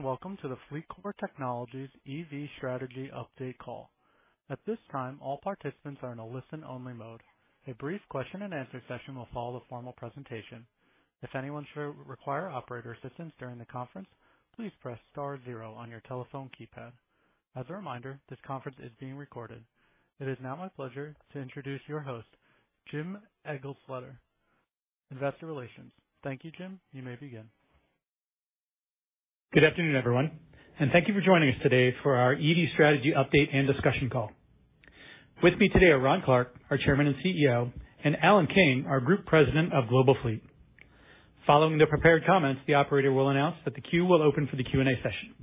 Welcome to the FLEETCOR Technologies EV Strategy Update Call. At this time, all participants are in a listen-only mode. A brief question-and-answer session will follow the formal presentation. If anyone should require operator assistance during the conference, please press star zero on your telephone keypad. As a reminder, this conference is being recorded. It is now my pleasure to introduce your host, Jim Eglseder, Investor Relations. Thank you, Jim. You may begin. Good afternoon, everyone, and thank you for joining us today for our EV strategy update and discussion call. With me today are Ron Clarke, our Chairman and CEO, and Alan King, our Group President of Global Fleet. Following the prepared comments, the operator will announce that the queue will open for the Q&A session.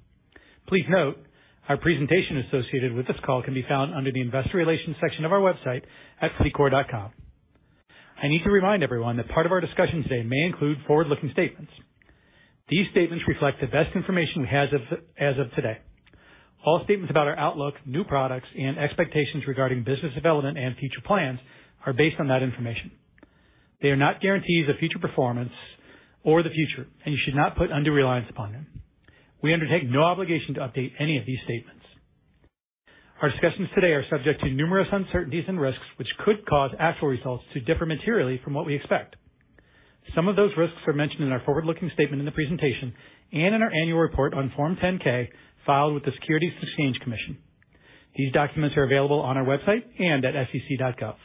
Please note our presentation associated with this call can be found under the Investor Relations section of our website at FLEETCOR.com. I need to remind everyone that part of our discussion today may include forward-looking statements. These statements reflect the best information we have as of today. All statements about our outlook, new products, and expectations regarding business development and future plans are based on that information. They are not guarantees of future performance or the future, and you should not put undue reliance upon them. We undertake no obligation to update any of these statements. Our discussions today are subject to numerous uncertainties and risks, which could cause actual results to differ materially from what we expect. Some of those risks are mentioned in our forward-looking statement in the presentation and in our annual report on Form 10-K filed with the Securities and Exchange Commission. These documents are available on our website and at sec.gov.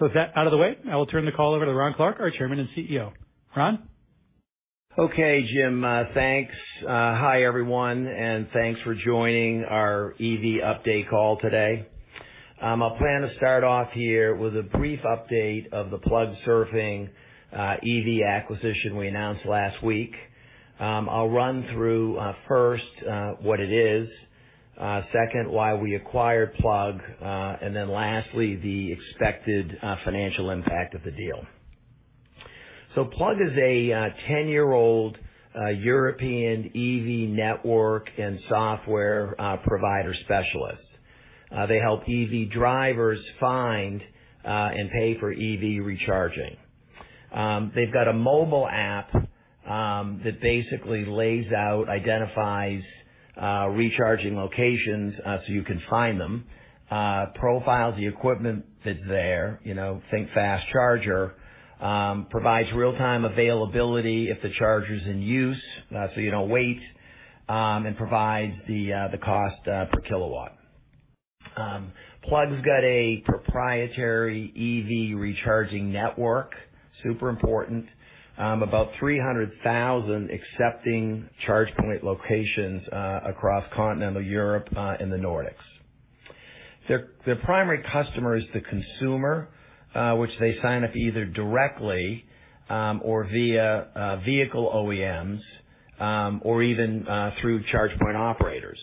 With that out of the way, I will turn the call over to Ron Clarke, our Chairman and CEO. Ron. Okay, Jim. Thanks. Hi, everyone, and thanks for joining our EV update call today. I plan to start off here with a brief update of the Plugsurfing EV acquisition we announced last week. I'll run through first what it is, second why we acquired Plugsurfing, and then lastly the expected financial impact of the deal. Plugsurfing is a ten-year-old European EV network and software provider specialist. They help EV drivers find and pay for EV recharging. They've got a mobile app that basically lays out, identifies recharging locations so you can find them. Profiles the equipment that's there, you know, think fast charger. Provides real-time availability if the charger's in use so you don't wait, and provides the cost per kilowatt. Plugsurfing's got a proprietary EV recharging network, super important. About 300,000 accepting charge point locations across continental Europe and the Nordics. Their primary customer is the consumer, which they sign up either directly or via vehicle OEMs or even through charge point operators.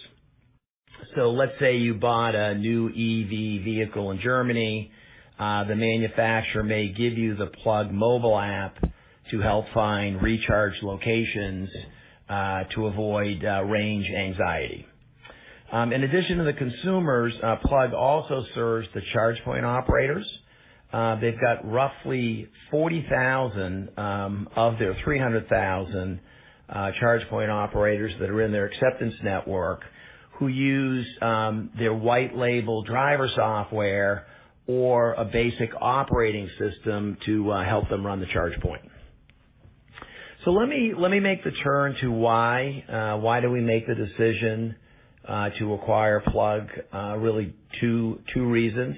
Let's say you bought a new EV vehicle in Germany. The manufacturer may give you the Plugsurfing mobile app to help find recharge locations to avoid range anxiety. In addition to the consumers, Plugsurfing also serves the charge point operators. They've got roughly 40,000 of their 300,000 charge point operators that are in their acceptance network who use their white label driver software or a basic operating system to help them run the charge point. Let me make the turn to why we make the decision to acquire Plugsurfing. Really two reasons.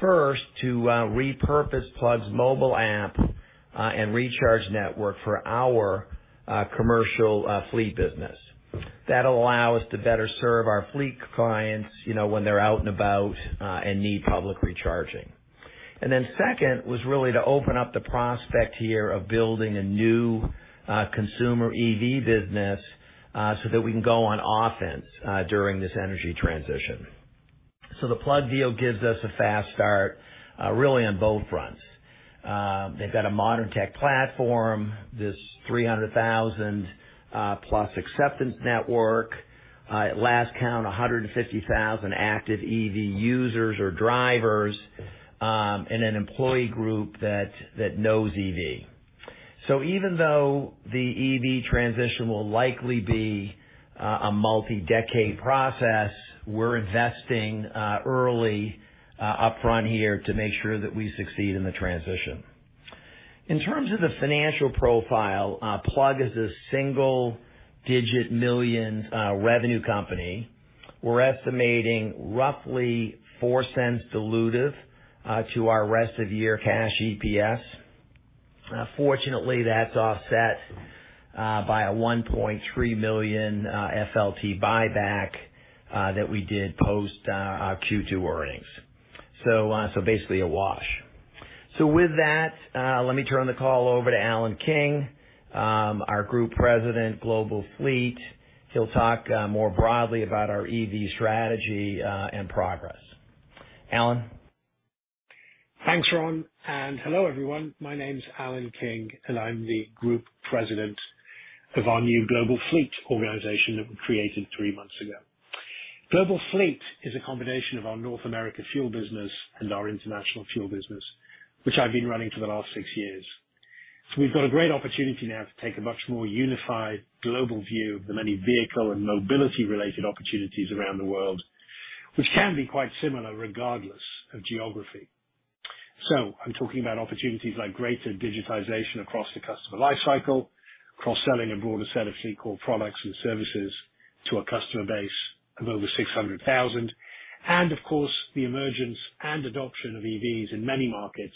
First, to repurpose Plugsurfing's mobile app and recharge network for our commercial fleet business. That'll allow us to better serve our fleet clients, you know, when they're out and about and need public recharging. Then second was really to open up the prospect here of building a new consumer EV business so that we can go on offense during this energy transition. The Plugsurfing deal gives us a fast start really on both fronts. They've got a modern tech platform. This 300,000+ acceptance network. At last count, 150,000 active EV users or drivers, and an employee group that knows EV. Even though the EV transition will likely be a multi-decade process, we're investing early upfront here to make sure that we succeed in the transition. In terms of the financial profile, Plugsurfing is a single-digit million revenue company. We're estimating roughly $0.04 dilutive to our rest of year cash EPS. Fortunately, that's offset by a $1.3 million FLT buyback that we did post our Q2 earnings. Basically a wash. With that, let me turn the call over to Alan King, our Group President, Global Fleet. He'll talk more broadly about our EV strategy and progress. Alan. Thanks, Ron, and hello, everyone. My name's Alan King, and I'm the Group President of our new Global Fleet organization that we created three months ago. Global Fleet is a combination of our North America fuel business and our international fuel business, which I've been running for the last six years. We've got a great opportunity now to take a much more unified global view of the many vehicle and mobility-related opportunities around the world, which can be quite similar regardless of geography. I'm talking about opportunities like greater digitization across the customer life cycle, cross-selling a broader set of FLEETCOR products and services to a customer base of over 600,000. Of course, the emergence and adoption of EVs in many markets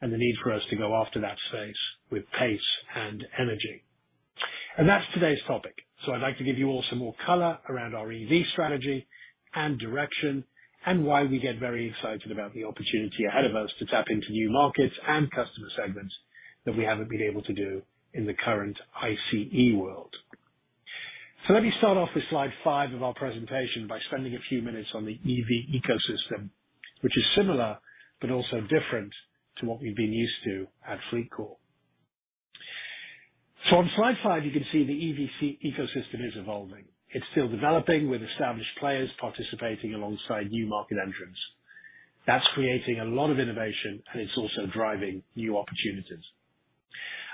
and the need for us to go after that space with pace and energy. That's today's topic. I'd like to give you all some more color around our EV strategy and direction and why we get very excited about the opportunity ahead of us to tap into new markets and customer segments that we haven't been able to do in the current ICE world. Let me start off with slide five of our presentation by spending a few minutes on the EV ecosystem, which is similar but also different to what we've been used to at FLEETCOR. On slide five, you can see the EV ecosystem is evolving. It's still developing with established players participating alongside new market entrants. That's creating a lot of innovation, and it's also driving new opportunities.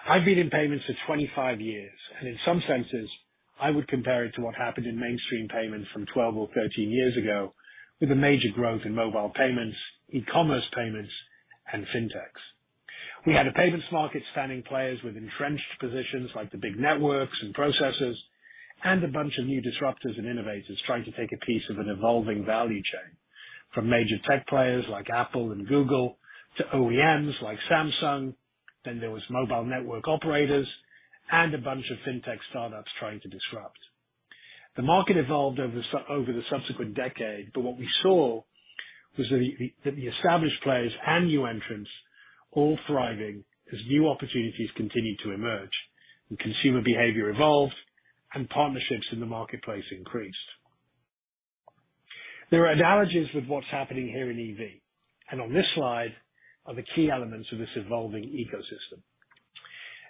I've been in payments for 25 years, and in some senses, I would compare it to what happened in mainstream payments from 12 or 13 years ago with a major growth in mobile payments, e-commerce payments, and fintechs. We had a payments market spanning players with entrenched positions like the big networks and processors, and a bunch of new disruptors and innovators trying to take a piece of an evolving value chain. From major tech players like Apple and Google to OEMs like Samsung. Then there was mobile network operators and a bunch of fintech startups trying to disrupt. The market evolved over the subsequent decade, but what we saw was that the established players and new entrants all thriving as new opportunities continued to emerge and consumer behavior evolved and partnerships in the marketplace increased. There are analogies with what's happening here in EV, and on this slide are the key elements of this evolving ecosystem.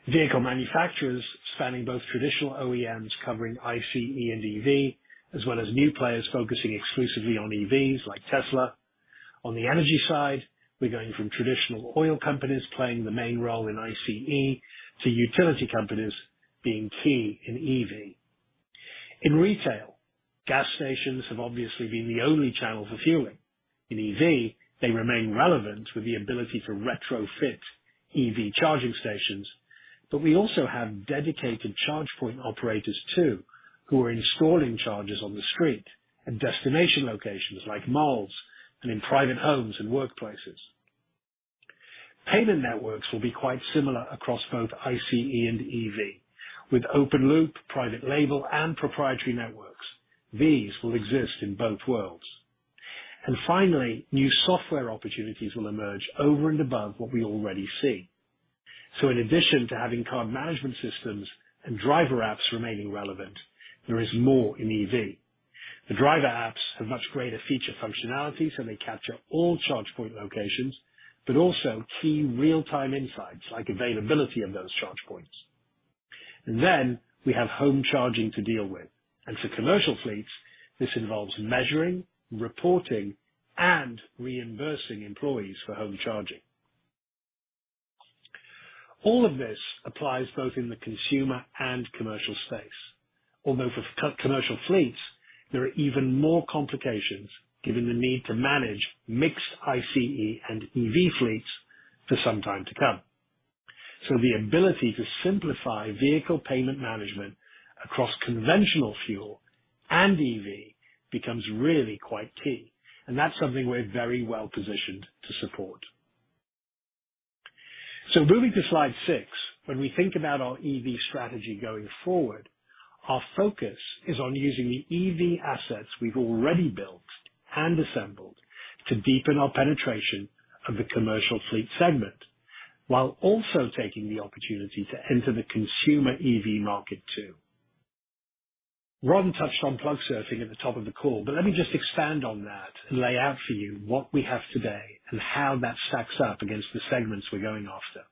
Vehicle manufacturers spanning both traditional OEMs covering ICE and EV, as well as new players focusing exclusively on EVs like Tesla. On the energy side, we're going from traditional oil companies playing the main role in ICE to utility companies being key in EV. In retail, gas stations have obviously been the only channel for fueling. In EV, they remain relevant with the ability to retrofit EV charging stations. We also have dedicated charge point operators too, who are installing chargers on the street and destination locations like malls and in private homes and workplaces. Payment networks will be quite similar across both ICE and EV. With open loop, private label, and proprietary networks. These will exist in both worlds. Finally, new software opportunities will emerge over and above what we already see. In addition to having card management systems and driver apps remaining relevant, there is more in EV. The driver apps have much greater feature functionality, so they capture all charge point locations, but also key real-time insights like availability of those charge points. Then we have home charging to deal with. For commercial fleets, this involves measuring, reporting, and reimbursing employees for home charging. All of this applies both in the consumer and commercial space. Although for commercial fleets, there are even more complications given the need to manage mixed ICE and EV fleets for some time to come. The ability to simplify vehicle payment management across conventional fuel and EV becomes really quite key. That's something we're very well-positioned to support. Moving to slide six. When we think about our EV strategy going forward, our focus is on using the EV assets we've already built and assembled to deepen our penetration of the commercial fleet segment, while also taking the opportunity to enter the consumer EV market too. Ron touched on Plugsurfing at the top of the call, but let me just expand on that and lay out for you what we have today and how that stacks up against the segments we're going after.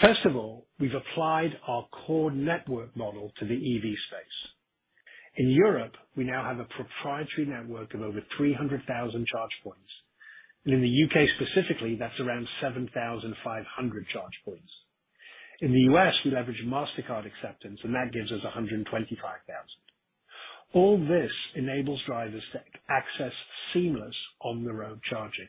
First of all, we've applied our core network model to the EV space. In Europe, we now have a proprietary network of over 300,000 charge points. In the UK specifically, that's around 7,500 charge points. In the US, we leverage Mastercard acceptance, and that gives us 125,000. All this enables drivers to access seamless on-the-road charging.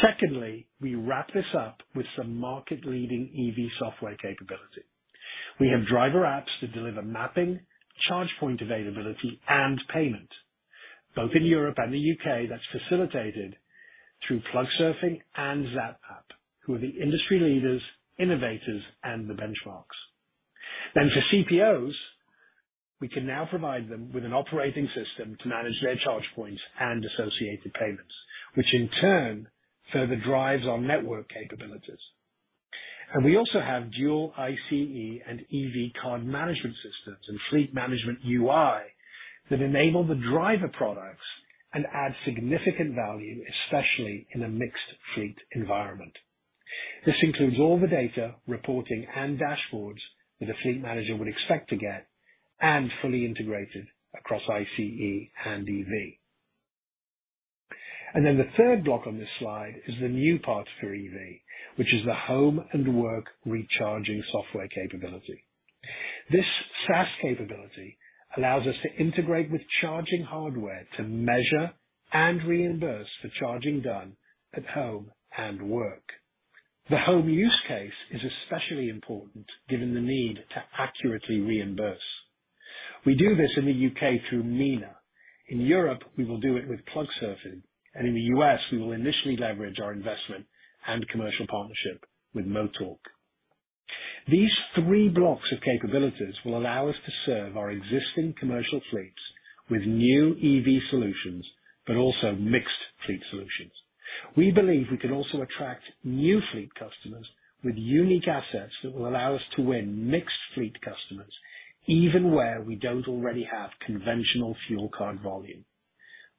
Secondly, we wrap this up with some market-leading EV software capability. We have driver apps that deliver mapping, charge point availability, and payment. Both in Europe and the UK, that's facilitated through Plugsurfing and Zapmap, who are the industry leaders, innovators, and the benchmarks. For CPOs, we can now provide them with an operating system to manage their charge points and associated payments, which in turn further drives our network capabilities. We also have dual ICE and EV card management systems and fleet management UI that enable the driver products and add significant value, especially in a mixed fleet environment. This includes all the data, reporting, and dashboards that the fleet manager would expect to get and fully integrated across ICE and EV. The third block on this slide is the new part for EV, which is the home and work recharging software capability. This SaaS capability allows us to integrate with charging hardware to measure and reimburse for charging done at home and work. The home use case is especially important given the need to accurately reimburse. We do this in the UK through Mina. In Europe, we will do it with Plugsurfing, and in the US, we will initially leverage our investment and commercial partnership with Motorq. These three blocks of capabilities will allow us to serve our existing commercial fleets with new EV solutions, but also mixed fleet solutions. We believe we can also attract new fleet customers with unique assets that will allow us to win mixed fleet customers even where we don't already have conventional fuel card volume.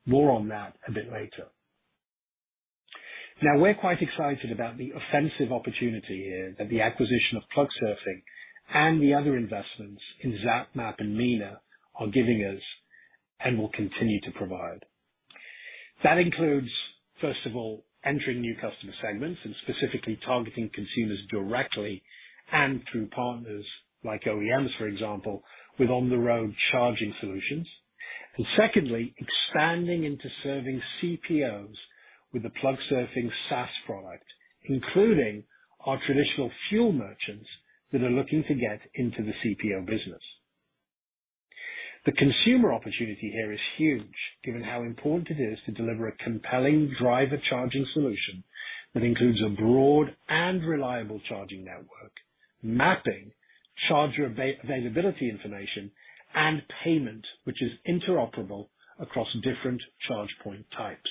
More on that a bit later. Now, we're quite excited about the offensive opportunity here that the acquisition of Plugsurfing and the other investments in Zapmap and Mina are giving us and will continue to provide. That includes, first of all, entering new customer segments and specifically targeting consumers directly and through partners like OEMs, for example, with on the road charging solutions. Secondly, expanding into serving CPOs with the Plugsurfing SaaS product, including our traditional fuel merchants that are looking to get into the CPO business. The consumer opportunity here is huge given how important it is to deliver a compelling driver charging solution that includes a broad and reliable charging network, mapping charger availability information and payment which is interoperable across different charge point types.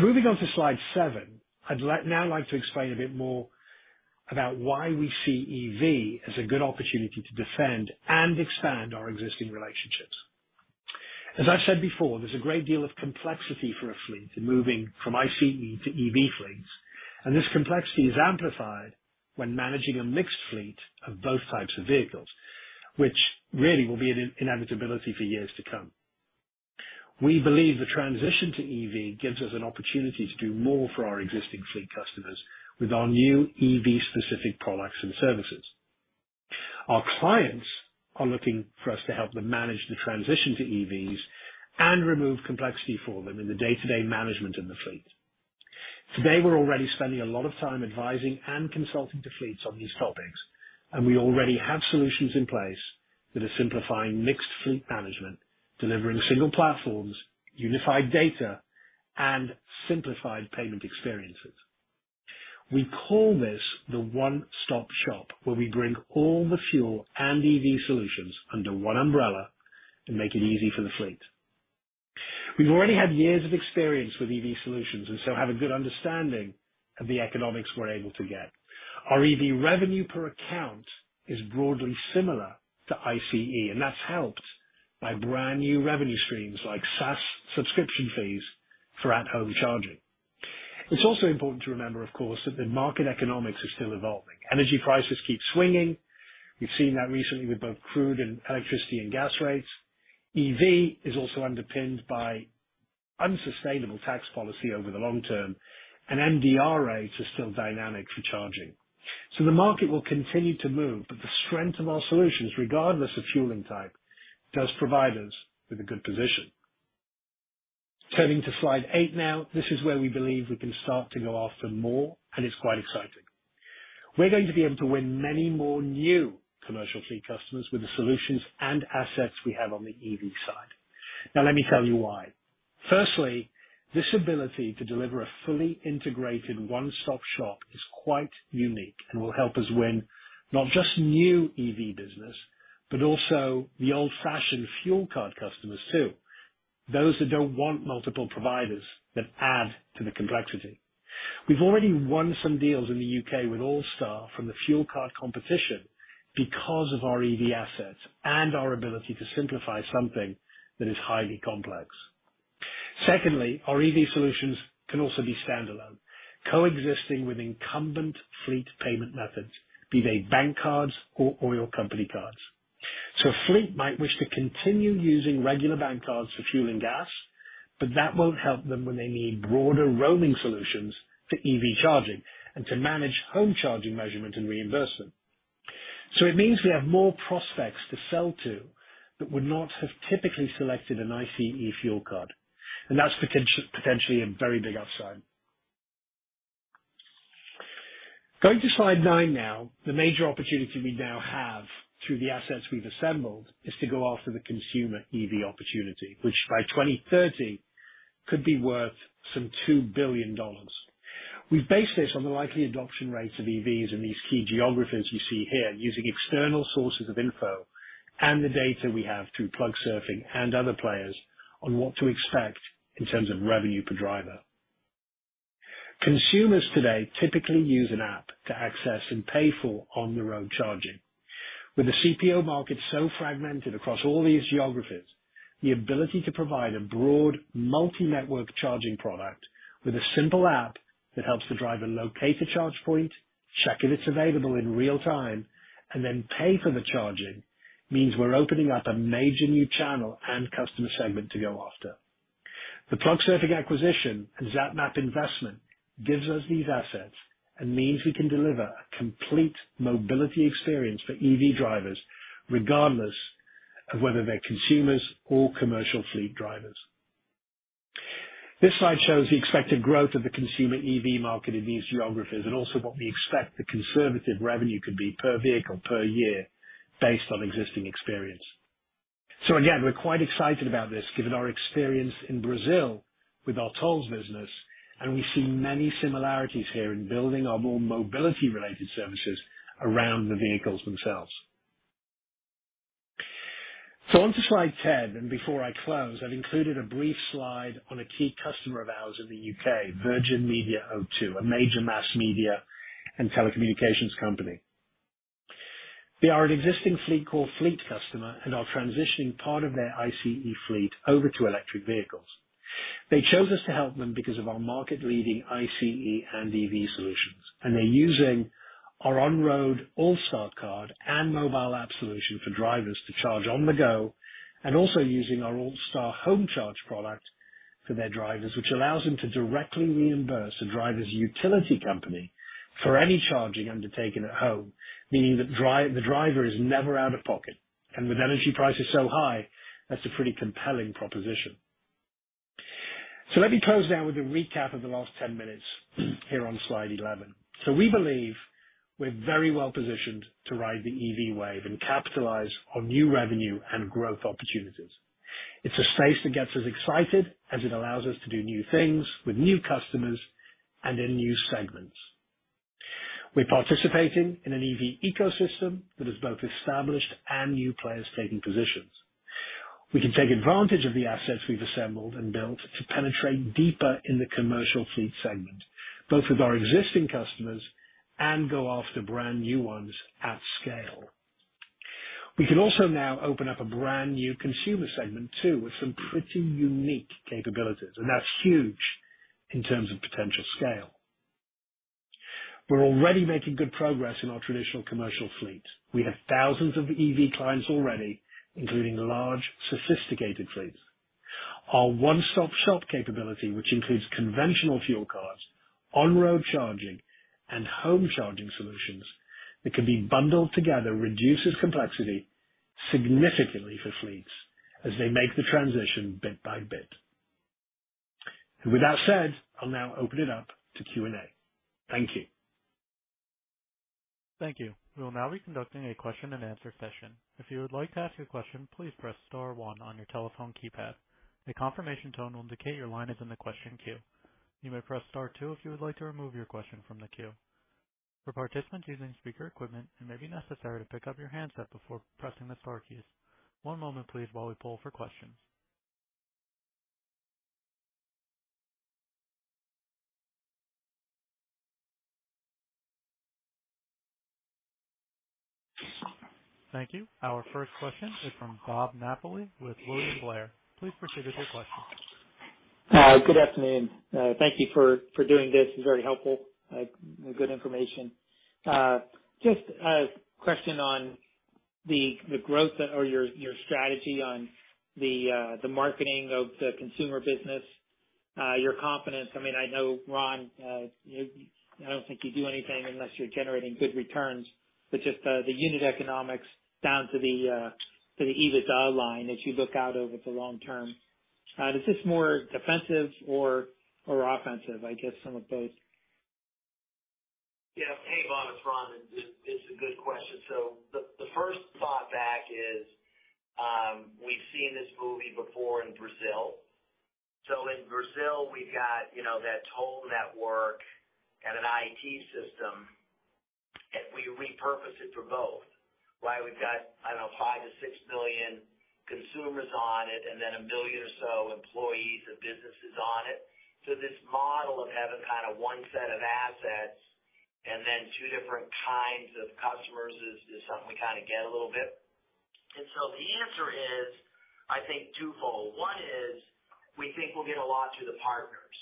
Moving on to slide seven. I'd like to explain a bit more about why we see EV as a good opportunity to defend and expand our existing relationships. As I've said before, there's a great deal of complexity for a fleet in moving from ICE to EV fleets, and this complexity is amplified when managing a mixed fleet of both types of vehicles, which really will be an inevitability for years to come. We believe the transition to EV gives us an opportunity to do more for our existing fleet customers with our new EV-specific products and services. Our clients are looking for us to help them manage the transition to EVs and remove complexity for them in the day-to-day management of the fleet. Today, we're already spending a lot of time advising and consulting to fleets on these topics, and we already have solutions in place that are simplifying mixed fleet management, delivering single platforms, unified data, and simplified payment experiences. We call this the one-stop shop, where we bring all the fuel and EV solutions under one umbrella and make it easy for the fleet. We've already had years of experience with EV solutions and so have a good understanding of the economics we're able to get. Our EV revenue per account is broadly similar to ICE, and that's helped by brand new revenue streams like SaaS subscription fees for at home charging. It's also important to remember, of course, that the market economics are still evolving. Energy prices keep swinging. We've seen that recently with both crude and electricity and gas rates. EV is also underpinned by unsustainable tax policy over the long term, and MDR rates are still dynamic for charging. The market will continue to move, but the strength of our solutions, regardless of fueling type, does provide us with a good position. Turning to slide 8 now. This is where we believe we can start to go after more, and it's quite exciting. We're going to be able to win many more new commercial fleet customers with the solutions and assets we have on the EV side. Now, let me tell you why. Firstly, this ability to deliver a fully integrated one-stop shop is quite unique and will help us win not just new EV business, but also the old-fashioned fuel card customers too. Those that don't want multiple providers that add to the complexity. We've already won some deals in the UK with Allstar from the fuel card competition because of our EV assets and our ability to simplify something that is highly complex. Secondly, our EV solutions can also be standalone, coexisting with incumbent fleet payment methods, be they bank cards or oil company cards. A fleet might wish to continue using regular bank cards for fuel and gas, but that won't help them when they need broader roaming solutions for EV charging and to manage home charging measurement and reimbursement. It means we have more prospects to sell to that would not have typically selected an ICE fuel card, and that's potentially a very big upside. Going to slide nine now. The major opportunity we now have through the assets we've assembled is to go after the consumer EV opportunity, which by 2030 could be worth some $2 billion. We've based this on the likely adoption rates of EVs in these key geographies you see here, using external sources of info and the data we have through Plugsurfing and other players on what to expect in terms of revenue per driver. Consumers today typically use an app to access and pay for on the road charging. With the CPO market so fragmented across all these geographies, the ability to provide a broad multi-network charging product with a simple app that helps the driver locate the charge point, check if it's available in real time, and then pay for the charging means we're opening up a major new channel and customer segment to go after. The Plugsurfing acquisition and Zapmap investment gives us these assets and means we can deliver a complete mobility experience for EV drivers, regardless of whether they're consumers or commercial fleet drivers. This slide shows the expected growth of the consumer EV market in these geographies and also what we expect the conservative revenue could be per vehicle per year based on existing experience. Again, we're quite excited about this given our experience in Brazil with our tolls business, and we see many similarities here in building our more mobility related services around the vehicles themselves. On to slide 10, and before I close, I've included a brief slide on a key customer of ours in the U.K., Virgin Media O2, a major mass media and telecommunications company. They are an existing FLEETCOR fleet customer and are transitioning part of their ICE fleet over to electric vehicles. They chose us to help them because of our market leading ICE and EV solutions. They're using our on-road Allstar card and mobile app solution for drivers to charge on the go and also using our Allstar Homecharge product for their drivers, which allows them to directly reimburse a driver's utility company for any charging undertaken at home, meaning that the driver is never out of pocket. With energy prices so high, that's a pretty compelling proposition. Let me close now with a recap of the last ten minutes here on slide eleven. We believe we're very well positioned to ride the EV wave and capitalize on new revenue and growth opportunities. It's a space that gets us excited as it allows us to do new things with new customers and in new segments. We're participating in an EV ecosystem that is both established and new players taking positions. We can take advantage of the assets we've assembled and built to penetrate deeper in the commercial fleet segment, both with our existing customers and go after brand new ones at scale. We can also now open up a brand new consumer segment too, with some pretty unique capabilities, and that's huge in terms of potential scale. We're already making good progress in our traditional commercial fleet. We have thousands of EV clients already, including large, sophisticated fleets. Our one-stop-shop capability, which includes conventional fuel cards, on-road charging, and home charging solutions that can be bundled together, reduces complexity significantly for fleets as they make the transition bit by bit. With that said, I'll now open it up to Q&A. Thank you. Thank you. We will now be conducting a question and answer session. If you would like to ask a question, please press star one on your telephone keypad. A confirmation tone will indicate your line is in the question queue. You may press star two if you would like to remove your question from the queue. For participants using speaker equipment, it may be necessary to pick up your handset before pressing the star keys. One moment please while we poll for questions. Thank you. Our first question is from Bob Napoli with William Blair. Please proceed with your question. Good afternoon. Thank you for doing this. It's very helpful. Good information. Just a question on the growth or your strategy on the marketing of the consumer business, your confidence. I mean, I know Ron, you know, I don't think you do anything unless you're generating good returns, but just the unit economics down to the EBITDA line as you look out over the long term. Is this more defensive or offensive? I guess some of both. Yeah. Hey, Ron, it's Ron. It's a good question. The first thought back is, we've seen this movie before in Brazil. In Brazil we've got, you know, that toll network and an IT system, and we repurpose it for both, right? We've got, I don't know, five to six million consumers on it and then a bill or so employees of businesses on it. This model of having kind of one set of assets and then two different kinds of customers is something we kind of get a little bit. The answer is, I think, twofold. One is we think we'll get a lot through the partners.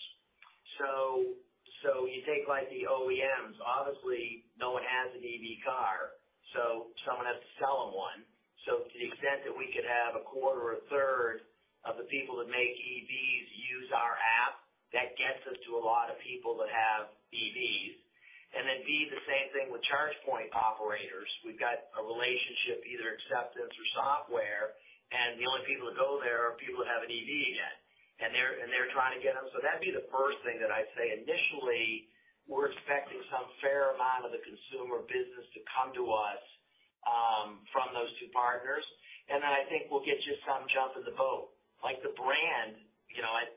So you take like the OEMs, obviously no one has an EV car, so someone has to sell them one. To the extent that we could have a quarter or a third of the people that make EVs use our app, that gets us to a lot of people that have EVs. Then B, the same thing with charge point operators. We've got a relationship, either acceptance or software, and the only people that go there are people that have an EV yet, and they're trying to get them. That'd be the first thing that I'd say initially, we're expecting some fair amount of the consumer business to come to us from those two partners. I think we'll get just some jump in the boat. Like the brand, you know, it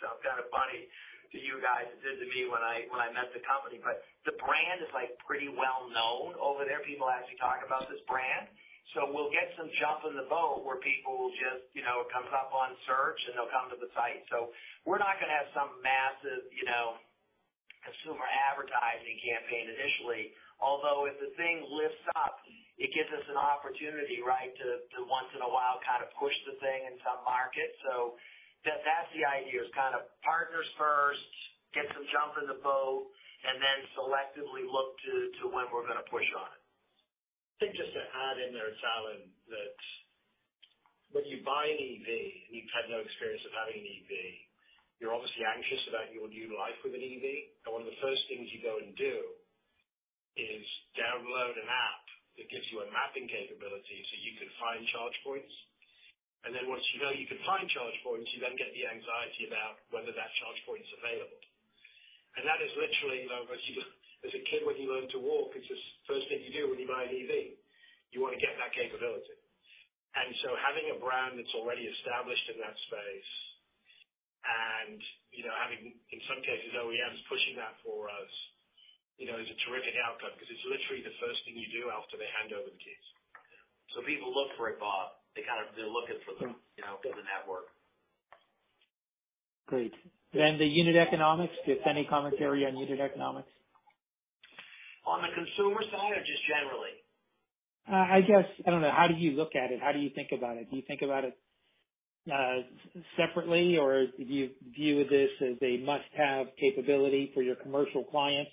sounds kind of funny to you guys. It did to me when I met the company, but the brand is like pretty well known over there. People actually talk about this brand. We'll get some jump in the boat where people will just, you know, it comes up on search and they'll come to the site. We're not gonna have some massive, you know, consumer advertising campaign initially. Although if the thing lifts up, it gives us an opportunity, right, to once in a while kind of push the thing in some markets. That, that's the idea, is kind of partners first, get some jump in the boat, and then selectively look to when we're gonna push on it. I think just to add in there, Alan, that when you buy an EV, and you've had no experience of having an EV, you're obviously anxious about your new life with an EV. One of the first things you go and do is download an app that gives you a mapping capability, so you can find charge points. Once you know you can find charge points, you then get the anxiety about whether that charge point is available. That is literally, you know, as a kid, when you learn to walk, it's the first thing you do when you buy an EV. You wanna get that capability. Having a brand that's already established in that space and, you know, having in some cases OEMs pushing that for us, you know, is a terrific outcome because it's literally the first thing you do after they hand over the keys. People look for it, Bob. Mm-hmm. You know, for the network. Great. The unit economics, if any commentary on unit economics. On the consumer side or just generally? I guess, I don't know, how do you look at it? How do you think about it? Do you think about it separately, or do you view this as a must-have capability for your commercial clients?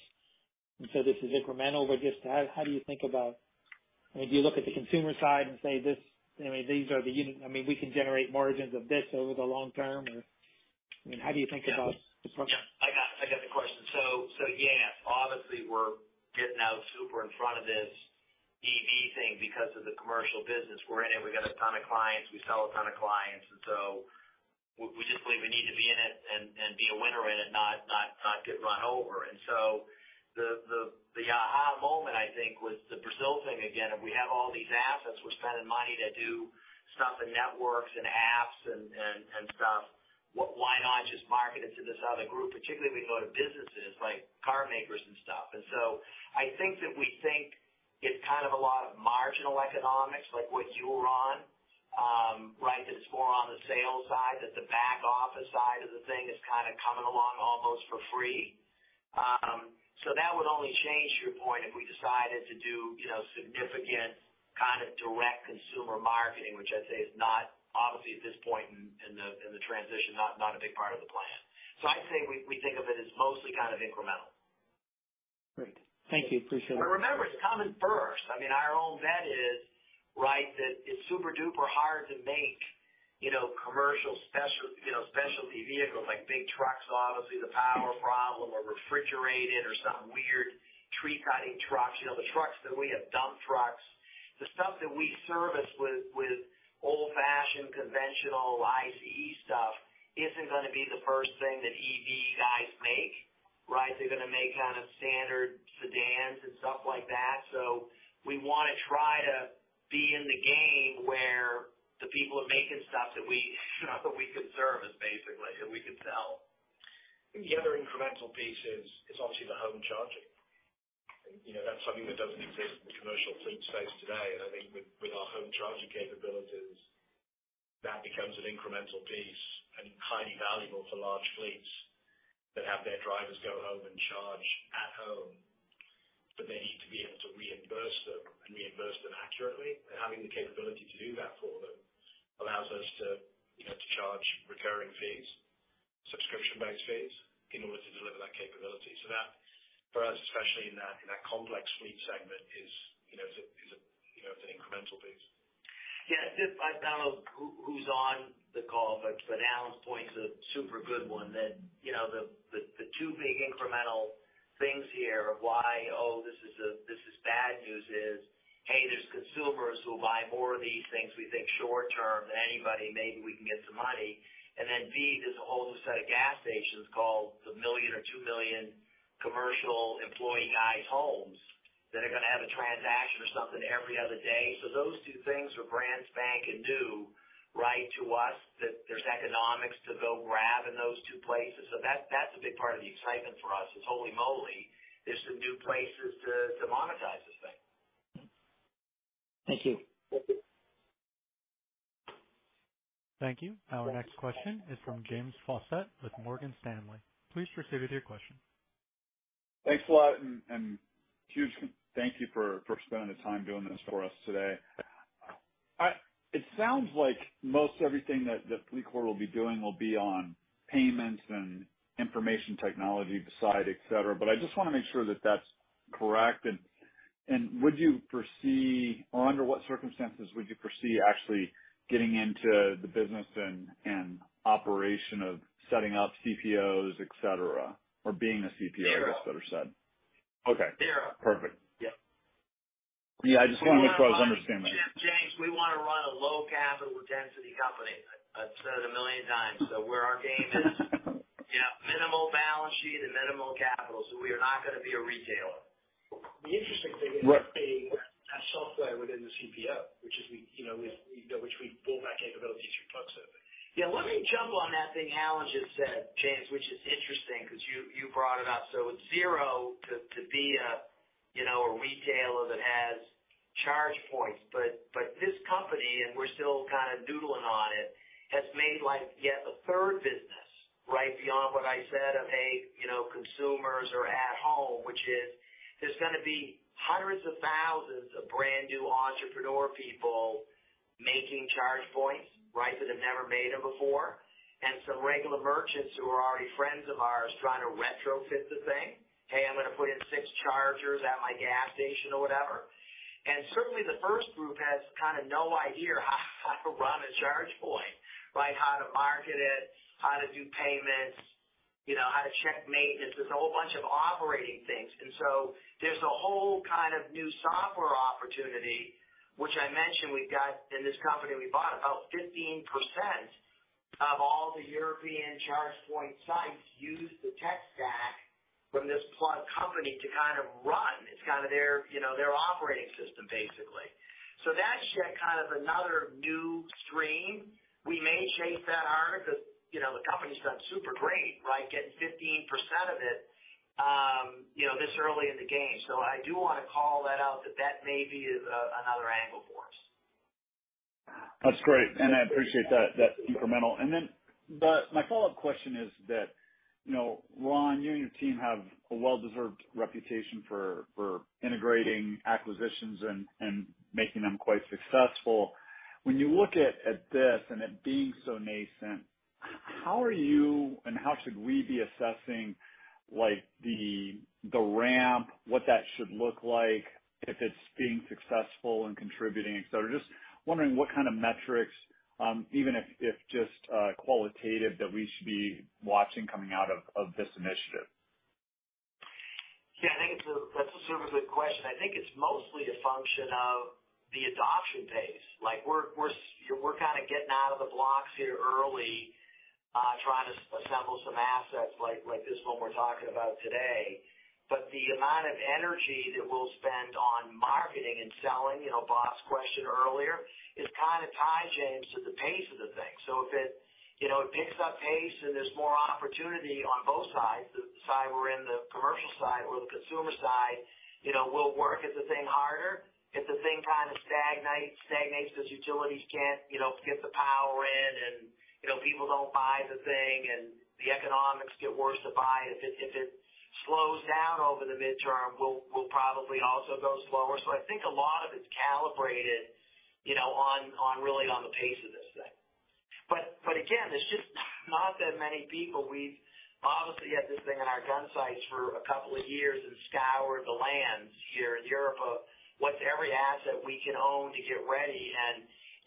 This is incremental, but just how do you think about it. I mean, do you look at the consumer side and say this, I mean, we can generate margins of this over the long term, or, I mean, how do you think about the approach? Yeah. I got the question. Yeah, obviously we're getting out super in front of this EV thing because of the commercial business we're in. We've got a ton of clients. We sell a ton of clients, and so we just believe we need to be in it and be a winner in it, not get run over. The aha moment, I think, was the Brazil thing again, and we have all these assets. We're spending money to do stuff in networks and apps and stuff. Why not just market it to this other group, particularly if we can go to businesses like car makers and stuff. I think that we think it's kind of a lot of marginal economics, like what you were on, right, that it's more on the sales side, that the back office side of the thing is kinda coming along almost for free. That would only change your point if we decided to do, you know, significant kind of direct consumer marketing, which I'd say is not obviously at this point in the transition, not a big part of the plan. I'd say we think of it as mostly kind of incremental. Great. Thank you. Appreciate it. Remember, it's coming first. I mean, our own bet is, right, that it's super-duper hard to make, you know, commercial, you know, specialty vehicles like big trucks, obviously the power problem or refrigerated or something weird, tree-cutting trucks. You know, the trucks that we have, dump trucks. The stuff that we service with old-fashioned conventional ICE stuff isn't gonna be the first thing that EV guys make, right? They're gonna make kind of standard sedans and stuff like that. We wanna try to be in the game where the people are making stuff that we could service basically, that we could sell. The other incremental piece is obviously the home charging. You know, that's something that doesn't exist in the commercial fleet space today. I think with our home charging capabilities, that becomes an incremental piece and highly valuable for large fleets that have their drivers go home and charge at home, but they need to be able to reimburse them and reimburse them accurately. Having the capability to do that for them allows us to, you know, to charge recurring fees, subscription-based fees in order to deliver that capability. That for us, especially in that complex fleet segment is, you know, an incremental piece. Yeah. I don't know who's on the call, but Alan's point is a super good one that, you know, the two big incremental things here of why this is bad news is A, there's consumers who will buy more of these things we think short term than anybody, maybe we can get some money. Then B, there's a whole new set of gas stations called the one million or two million commercial employee guys' homes that are gonna have a transaction or something every other day. Those two things are brand spanking new, right, to us, that there's economics to go grab in those two places. That's a big part of the excitement for us is holy moly, there's some new places to monetize this thing. Thank you. Thank you. Thank you. Our next question is from James Faucette with Morgan Stanley. Please proceed with your question. Thanks a lot, and huge thank you for spending the time doing this for us today. It sounds like most everything that FLEETCOR will be doing will be on payments and information technology side, et cetera, but I just wanna make sure that that's correct. Would you foresee or under what circumstances would you foresee actually getting into the business and operation of setting up CPOs, et cetera, or being a CPO, et cetera? Sure. Okay. Zero. Perfect. Yeah. Yeah, I just wanna make sure I was understanding that. James, we wanna run a low capital intensity company. I've said it a million times. Where our game is, yeah, minimal balance sheet and minimal capital. We are not gonna be a retailer. The interesting thing is being a software within the CPO, which is we, you know, which we build that capability through Plugsurfing. Yeah, let me jump on that thing Alan just said, James, which is interesting because you brought it up. This company, and we're still kind of doodling on it, has made like yet a third business, right? Beyond what I said of, hey, you know, consumers are at home, which is there's gonna be hundreds of thousands of brand new entrepreneur people making charge points, right? That have never made them before. Some regular merchants who are already friends of ours trying to retrofit the thing. "Hey, I'm gonna put in six chargers at my gas station or whatever." Certainly the first group has kind of no idea how to run a charge point, right? How to market it, how to do payments, you know, how to check maintenance. There's a whole bunch of operating things. There's a whole kind of new software opportunity, which I mentioned we've got in this company. We bought about 15% of all the European charge point sites use the tech stack from Plugsurfing to kind of run. It's kind of their, you know, their operating system basically. That adds kind of another new stream. We may chase that harder because, you know, the company's done super great, right? Getting 15% of it, you know, this early in the game. I do wanna call that out, that maybe is another angle for us. That's great, and I appreciate that's incremental. My follow-up question is that, you know, Ron, you and your team have a well-deserved reputation for integrating acquisitions and making them quite successful. When you look at this and it being so nascent, how are you and how should we be assessing, like, the ramp, what that should look like if it's being successful and contributing? Just wondering what kind of metrics, even if just qualitative that we should be watching coming out of this initiative. Yeah, I think that's a super good question. I think it's mostly a function of the adoption pace. Like we're kinda getting out of the blocks here early, trying to assemble some assets like this one we're talking about today. The amount of energy that we'll spend on marketing and selling, you know, Bob's question earlier is kind of tied, James, to the pace of the thing. If it picks up pace and there's more opportunity on both sides, the side we're in, the commercial side or the consumer side, you know, we'll work at the thing harder. If the thing kind of stagnates 'cause utilities can't, you know, get the power in and, you know, people don't buy the thing and the economics get worse to buy. If it slows down over the midterm, we'll probably also go slower. I think a lot of it's calibrated, you know, really on the pace of this thing. Again, there's just not that many people. We've obviously had this thing in our gunsights for a couple of years and scoured the landscape here in Europe for every asset we can own to get ready.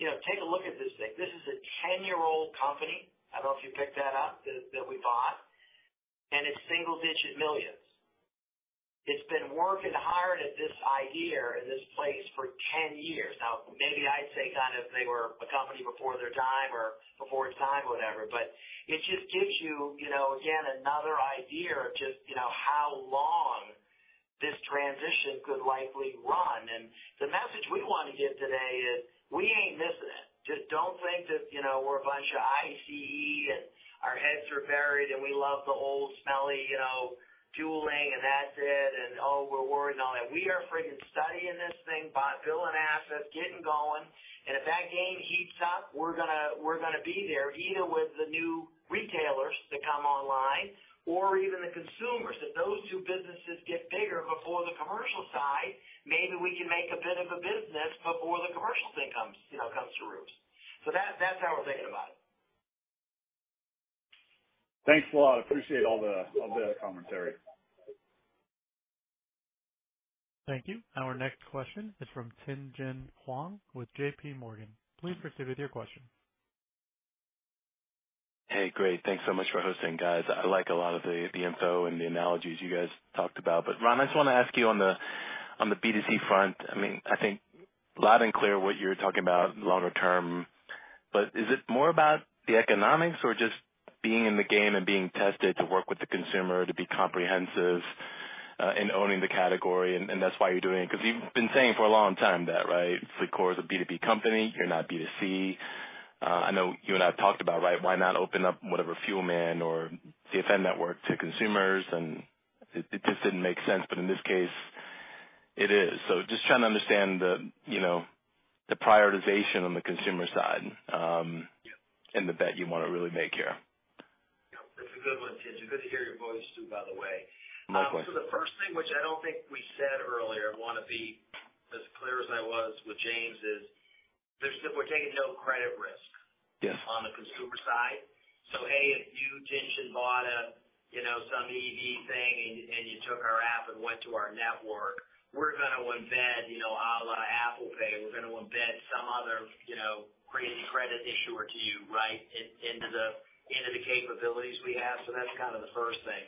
You know, take a look at this thing. This is a 10-year-old company. I don't know if you picked that up, that we bought, and it's EUR single-digit millions. It's been working hard at this idea in this place for 10 years now. Maybe I'd say kind of they were a company before their time or before its time, whatever. It just gives you know, again, another idea of just, you know, how long this transition could likely run. The message we wanna give today is we ain't missing it. Just don't think that, you know, we're a bunch of ICE and our heads are buried and we love the old smelly, you know, fueling and that's it, and, oh, we're worried and all that. We are freaking studying this thing, buying, building assets, getting going, and if that game heats up, we're gonna be there either with the new retailers that come online or even the consumers. If those two businesses get bigger before the commercial side, maybe we can make a bit of a business before the commercial thing comes, you know, comes to roost. That's how we're thinking about it. Thanks, Ron. Appreciate all the commentary. Thank you. Our next question is from Tien-Tsin Huang with JPMorgan. Please proceed with your question. Hey, great. Thanks so much for hosting, guys. I like a lot of the info and the analogies you guys talked about. Ron, I just wanna ask you on the B2C front. I mean, I think loud and clear what you're talking about longer term, but is it more about the economics or just being in the game and being tested to work with the consumer to be comprehensive in owning the category and that's why you're doing it? 'Cause you've been saying for a long time that, right? FLEETCOR is a B2B company. You're not B2C. I know you and I have talked about, right, why not open up whatever Fuelman or CFN network to consumers? It just didn't make sense, but in this case it is. Just trying to understand the, you know, the prioritization on the consumer side, and the bet you wanna really make here. Yeah, it's a good one, Tien-Tsin Huang. Good to hear your voice too, by the way. My pleasure. The first thing, which I don't think we said earlier, I wanna be as clear as I was with James Faucette, is we're taking no credit risk. Yes. On the consumer side. A, if you, Tien-Tsin Huang, bought a, you know, some EV thing and you took our app and went to our network, we're gonna embed, you know, a la Apple Pay, we're gonna embed some other, you know, crazy credit issuer to you, right? Into the capabilities we have. That's kind of the first thing.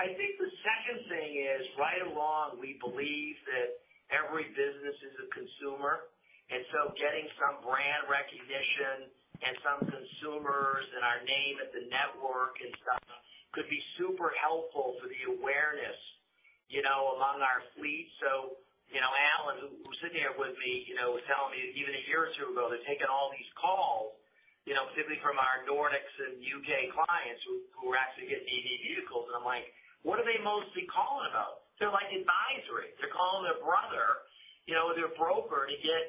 I think the second thing is right along. We believe that every business is a consumer, and so getting some brand recognition and some consumers and our name at the network and stuff could be super helpful for the awareness, you know, among our fleet. You know, Alan, who's sitting here with me, was telling me even a year or two ago, they're taking all these. Specifically from our Nordics and UK clients who are actually getting EV vehicles. I'm like, what are they mostly calling about? They're like advisory. They're calling their brother, you know, their broker to get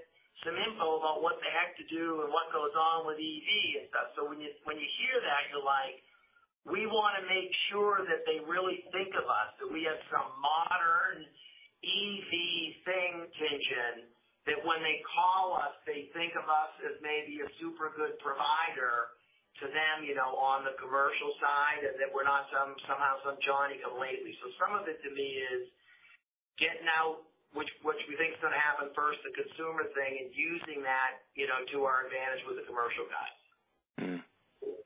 some info about what the heck to do and what goes on with EV and stuff. When you hear that, you're like, we wanna make sure that they really think of us, that we have some modern EV attention, that when they call us, they think of us as maybe a super good provider to them, you know, on the commercial side, and that we're not somehow some Johnny come lately. Some of it to me is getting out there, which we think is gonna happen first, the consumer thing, and using that, you know, to our advantage with the commercial guys.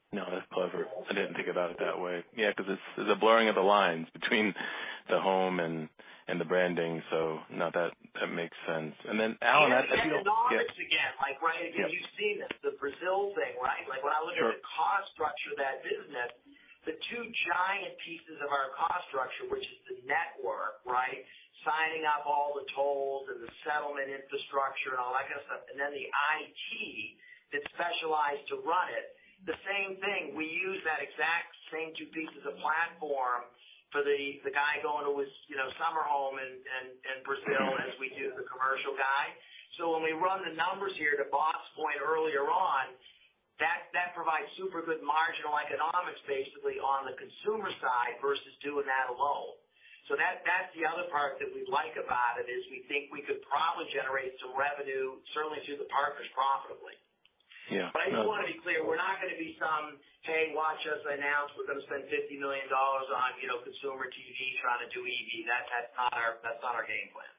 No, that's clever. I didn't think about it that way. Yeah, 'cause it's the blurring of the lines between the home and the branding, so, no, that makes sense. Alan, I- The economics again. Like, right, you've seen this, the Brazil thing, right? Like, when I look at the cost structure of that business, the two giant pieces of our cost structure, which is the network, right? Signing up all the tolls and the settlement infrastructure and all that kind of stuff, and then the IT that's specialized to run it. The same thing, we use that exact same two pieces of platform for the guy going to his, you know, summer home in Brazil as we do the commercial guy. When we run the numbers here, to Bob's point earlier on, that provides super good marginal economics basically on the consumer side versus doing that alone. That's the other part that we like about it, is we think we could probably generate some revenue, certainly through the partners profitably. Yeah. I do wanna be clear, we're not gonna be some, "Hey, watch us announce we're gonna spend $50 million on, you know, consumer TV trying to do EV." That, that's not our game plan.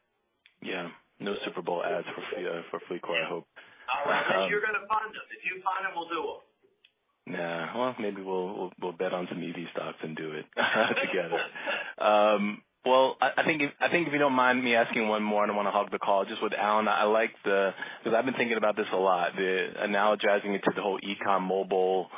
Yeah. No Super Bowl ads for FLEETCOR, I hope. Oh, unless you're gonna fund them. If you fund them, we'll do them. Nah. Well, maybe we'll bet on some EV stocks and do it together. Well, I think if you don't mind me asking one more, I don't wanna hog the call. Just with Alan, I like the 'cause I've been thinking about this a lot. The analogizing it to the whole eCom mobile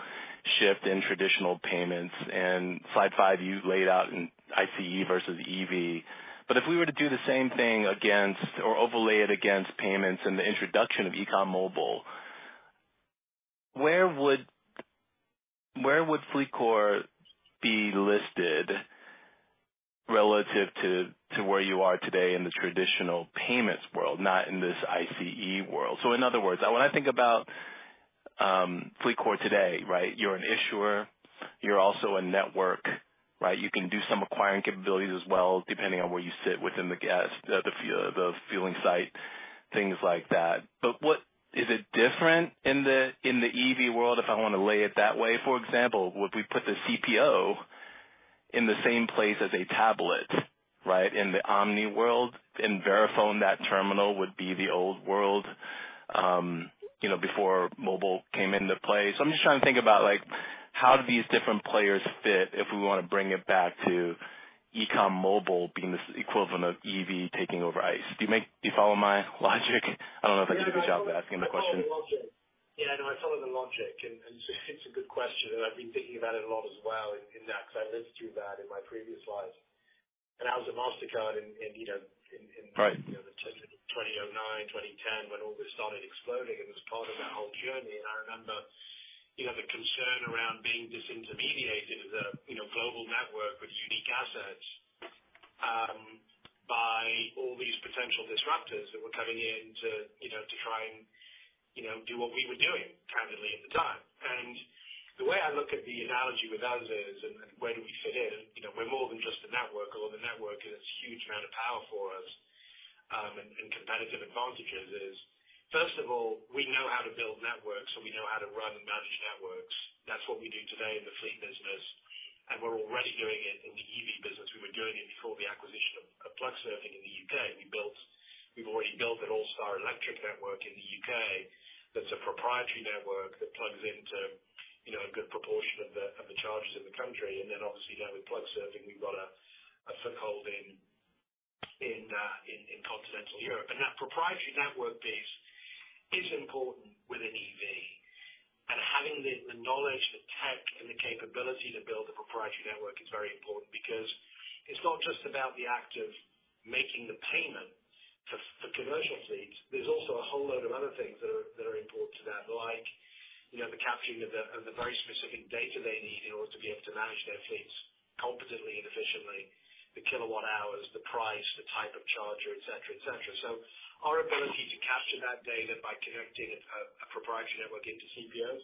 shift in traditional payments and slide five you laid out in ICE versus EV. If we were to do the same thing against or overlay it against payments and the introduction of eCom mobile, where would FLEETCOR be listed relative to where you are today in the traditional payments world, not in this ICE world? In other words, when I think about FLEETCOR today, right? You're an issuer, you're also a network, right? You can do some acquiring capabilities as well, depending on where you sit within the fueling site, things like that. Is it different in the EV world, if I wanna lay it that way? For example, would we put the CPO in the same place as a tablet, right? In the omni world? In Verifone, that terminal would be the old world before mobile came into play. So I'm just trying to think about, like, how do these different players fit if we wanna bring it back to eCom mobile being this equivalent of EV taking over ICE? Do you follow my logic? I don't know if I did a good job of asking the question. Yeah, no, I follow the logic, and it's a good question. I've been thinking about it a lot as well, in that, 'cause I lived through that in my previous lives. When I was at Mastercard, you know, Right. You know, the 2009, 2010, when all this started exploding, it was part of our whole journey. I remember, you know, the concern around being disintermediated, the, you know, global network with unique assets, by all these potential disruptors that were coming in to, you know, to try and, you know, do what we were doing, candidly at the time. The way I look at the analogy with us is, where do we fit in, you know, we're more than just a network or the network is a huge amount of power for us, and competitive advantages is, first of all, we know how to build networks, so we know how to run and manage networks. That's what we do today in the fleet business, and we're already doing it in the EV business. We were doing it before the acquisition of Plugsurfing in the UK. We've already built an Allstar electric network in the UK that's a proprietary network that plugs into, you know, a good proportion of the chargers in the country. Then obviously, now with Plugsurfing, we've got a foothold in continental Europe. That proprietary network piece is important with an EV. Having the knowledge, the tech, and the capability to build a proprietary network is very important because it's not just about the act of making the payment for commercial fleets. There's also a whole load of other things that are important to that. Like, you know, the capturing of the very specific data they need in order to be able to manage their fleets competently and efficiently, the kilowatt hours, the price, the type of charger, et cetera, et cetera. Our ability to capture that data by connecting a proprietary network into CPOs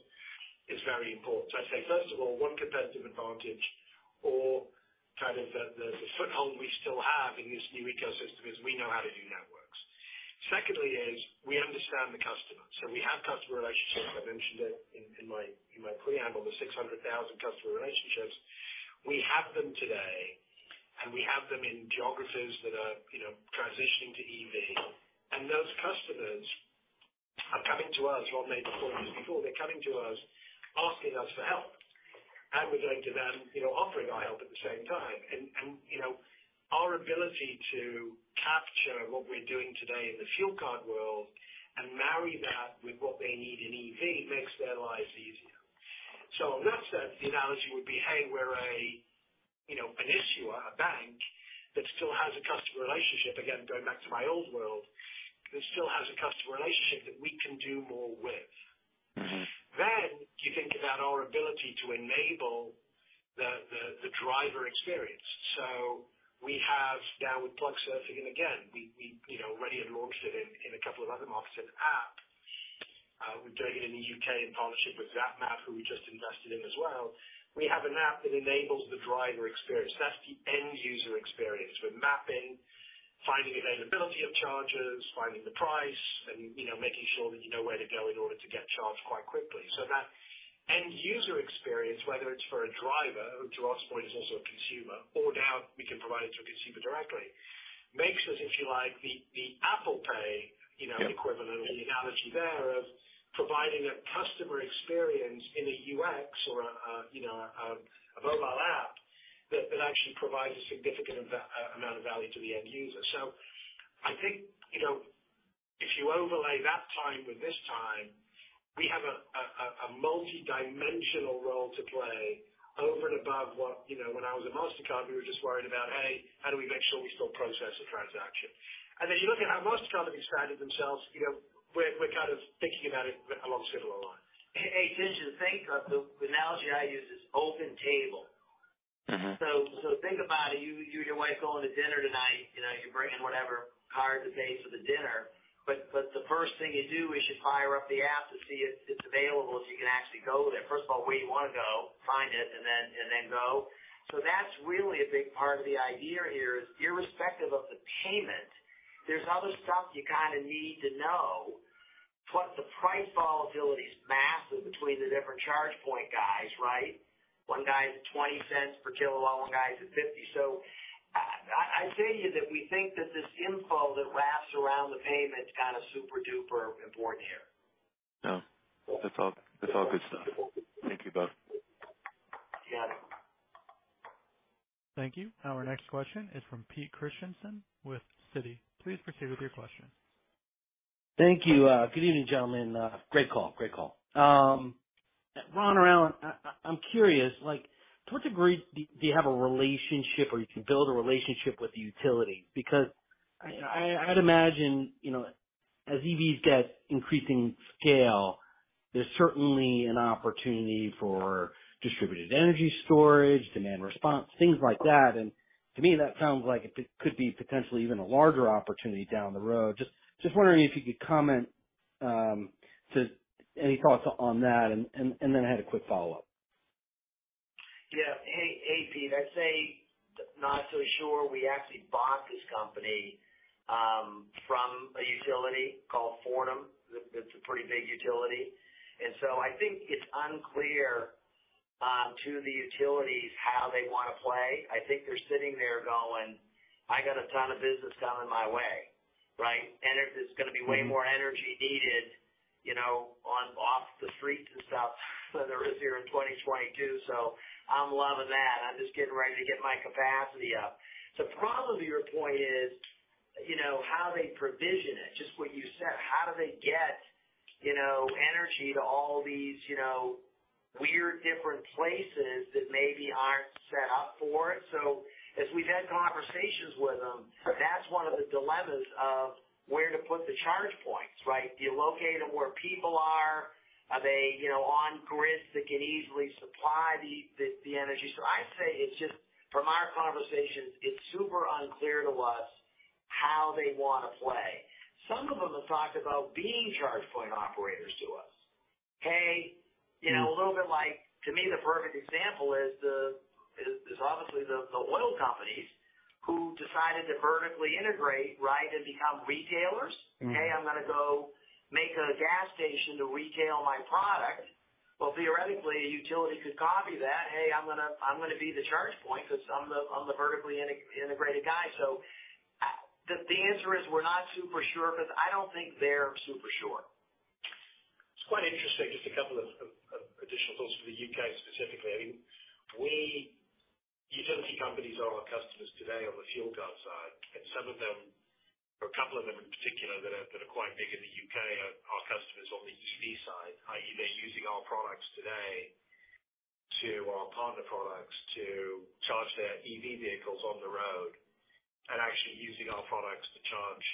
is very important. I'd say, first of all, one competitive advantage or kind of the foothold we still have in this new ecosystem is we know how to do networks. Secondly is we understand the customer. We have customer relationships. I mentioned it in my preamble, the 600,000 customer relationships. We have them today, and we have them in geographies that are, you know, transitioning to EV. Those customers are coming to us. Rob made the point just before. They're coming to us asking us for help. We're going to them, you know, offering our help at the same time. You know, our ability to capture what we're doing today in the fuel card world and marry that with what they need in EV makes their lives easier. On that sense, the analogy would be, hey, we're a, you know, an issuer, a bank that still has a customer relationship. Again, going back to my old world, that still has a customer relationship that we can do more with. Mm-hmm. You think about our ability to enable the driver experience. We have now with Plugsurfing, and again, you know, already have launched it in a couple of other markets, an app. We've done it in the UK in partnership with Zapmap, who we just invested in as well. We have an app that enables the driver experience. That's the end user experience. We're mapping, finding availability of chargers, finding the price, and, you know, making sure that you know where to go in order to get charged quite quickly. That end user experience, whether it's for a driver, who to Ross' point is also a consumer, or now we can provide it to a consumer directly, makes us, if you like, the Apple Pay, you know. Yeah. equivalent or the analogy there of providing a customer experience in a UX or a, you know, a mobile app that actually provides a significant amount of value to the end user. I think, you know, if you overlay that time with this time, we have a multidimensional role to play over and above what, you know, when I was at Mastercard, we were just worried about, hey, how do we make sure we still process a transaction. Then you look at how Mastercard have expanded themselves, you know, we're kind of thinking about it along similar lines. Hey, Tish, the analogy I use is OpenTable. Mm-hmm. Think about it. You and your wife going to dinner tonight, you know, you're bringing whatever card to pay for the dinner. The first thing you do is you fire up the app to see if it's available, so you can actually go there. First of all, where you wanna go, find it, and then go. That's really a big part of the idea here is irrespective of the payment, there's other stuff you kinda need to know. Plus the price volatility is massive between the different charge point guys, right? One guy's at $0.20 per kilowatt, one guy's at $0.50. I tell you that we think that this info that wraps around the payment is kinda super-duper important here. No, that's all good stuff. Thank you both. You got it. Thank you. Our next question is from Pete Christiansen with Citi. Please proceed with your question. Thank you. Good evening, gentlemen. Great call. Ron or Alan, I'm curious, like, to what degree do you have a relationship or you can build a relationship with the utility? Because I'd imagine, you know, as EVs get increasing scale, there's certainly an opportunity for distributed energy storage, demand response, things like that. And to me, that sounds like it could be potentially even a larger opportunity down the road. Just wondering if you could comment to any thoughts on that. I had a quick follow-up. Yeah. Hey, hey, Pete. I'd say not so sure. We actually bought this company from a utility called Vattenfall. That's a pretty big utility. I think it's unclear to the utilities how they wanna play. I think they're sitting there going, "I got a ton of business coming my way," right? There's gonna be way more energy needed, you know, on, off the street and stuff than there is here in 2022. I'm loving that. I'm just getting ready to get my capacity up. Probably your point is, you know, how they provision it, just what you said, how do they get, you know, energy to all these, you know, weird different places that maybe aren't set up for it. As we've had conversations with them, that's one of the dilemmas of where to put the charge points, right? Do you locate them where people are? Are they, you know, on grids that can easily supply the energy? I'd say it's just from our conversations, it's super unclear to us how they wanna play. Some of them have talked about being charge point operators to us. Hey, you know, a little bit like to me, the perfect example is obviously the oil companies who decided to vertically integrate, right, and become retailers. Mm-hmm. Hey, I'm gonna go make a gas station to retail my product. Well, theoretically, a utility could copy that. Hey, I'm gonna be the charge point because I'm the vertically integrated guy. The answer is we're not super sure because I don't think they're super sure. It's quite interesting, just a couple of additional thoughts for the U.K. specifically. I mean, utility companies are our customers today on the fuel card side, and some of them, or a couple of them in particular that are quite big in the U.K. are our customers on the EV side, i.e., they're using our products today or our partner products to charge their EV vehicles on the road and actually using our products to charge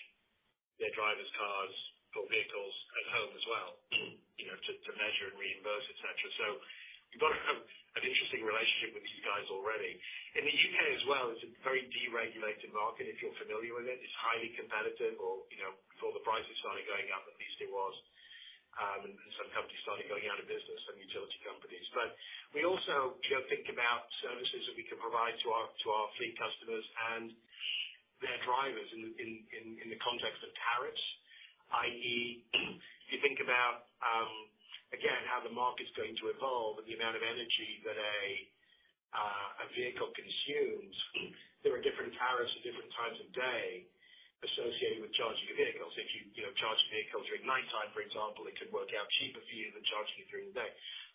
their drivers' cars or vehicles at home as well, you know, to measure and reimburse, et cetera. We've got an interesting relationship with these guys already. In the U.K. as well, it's a very deregulated market, if you're familiar with it. It's highly competitive or, you know, before the prices started going up, at least it was, and some companies started going out of business and utility companies. We also, you know, think about services that we can provide to our fleet customers and their drivers in the context of tariffs, i.e., if you think about, again, how the market's going to evolve with the amount of energy that a vehicle consumes, there are different tariffs at different times of day associated with charging your vehicles. If you know, charge vehicles during nighttime, for example, it could work out cheaper for you than charging it during the day.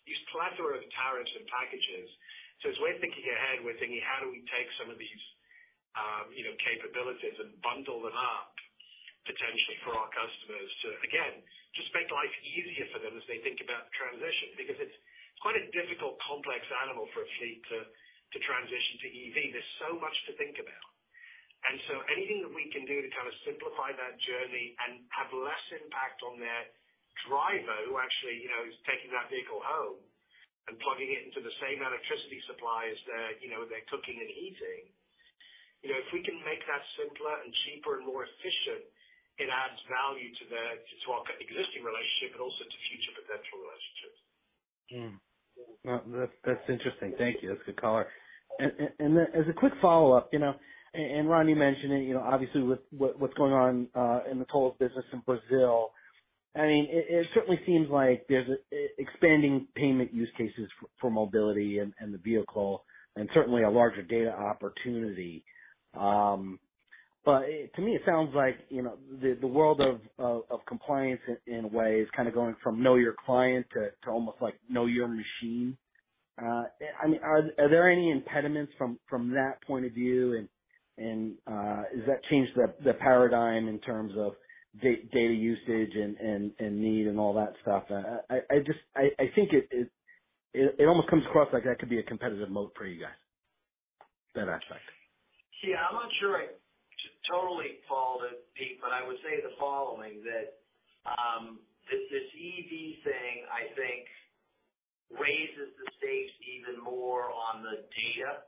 These plethora of tariffs and packages. As we're thinking ahead, we're thinking, how do we take some of these, you know, capabilities and bundle them up potentially for our customers to, again, just make life easier for them as they think about transition. Because it's quite a difficult, complex animal for a fleet to transition to EV. There's so much to think about. Anything that we can do to kind of simplify that journey and have less impact on their driver who actually, you know, is taking that vehicle home and plugging it into the same electricity supply as their, you know, their cooking and heating. You know, if we can make that simpler and cheaper and more efficient, it adds value to our existing relationship, but also to future potential relationships. No, that's interesting. Thank you. That's a good color. As a quick follow-up, you know, and Ronnie mentioned it, you know, obviously with what's going on in the tolls business in Brazil. I mean, it certainly seems like there's an expanding payment use cases for mobility and the vehicle, and certainly a larger data opportunity. To me it sounds like, you know, the world of compliance in a way is kind of going from know your client to almost like know your machine. I mean, are there any impediments from that point of view and has that changed the paradigm in terms of data usage and need and all that stuff? I just. I think it almost comes across like that could be a competitive moat for you guys, that aspect. Yeah, I'm not sure I totally call it, Pete, but I would say the following, that this EV thing I think raises the stakes even more on the data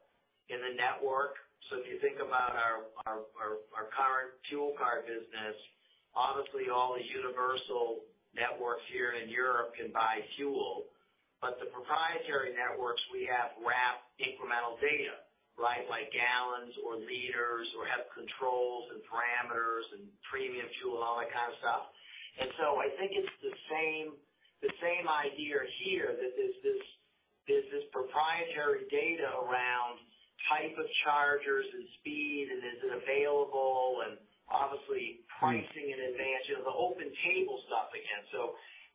in the network. If you think about our current fuel card business, obviously all the universal networks here in Europe can buy fuel. The proprietary networks we have wrap incremental data, right? Like gallons or liters, or have controls and parameters and premium fuel and all that kind of stuff. I think it's the same idea here that there's this proprietary data around type of chargers and speed, and is it available, and obviously pricing in advance. You know, the OpenTable stuff again.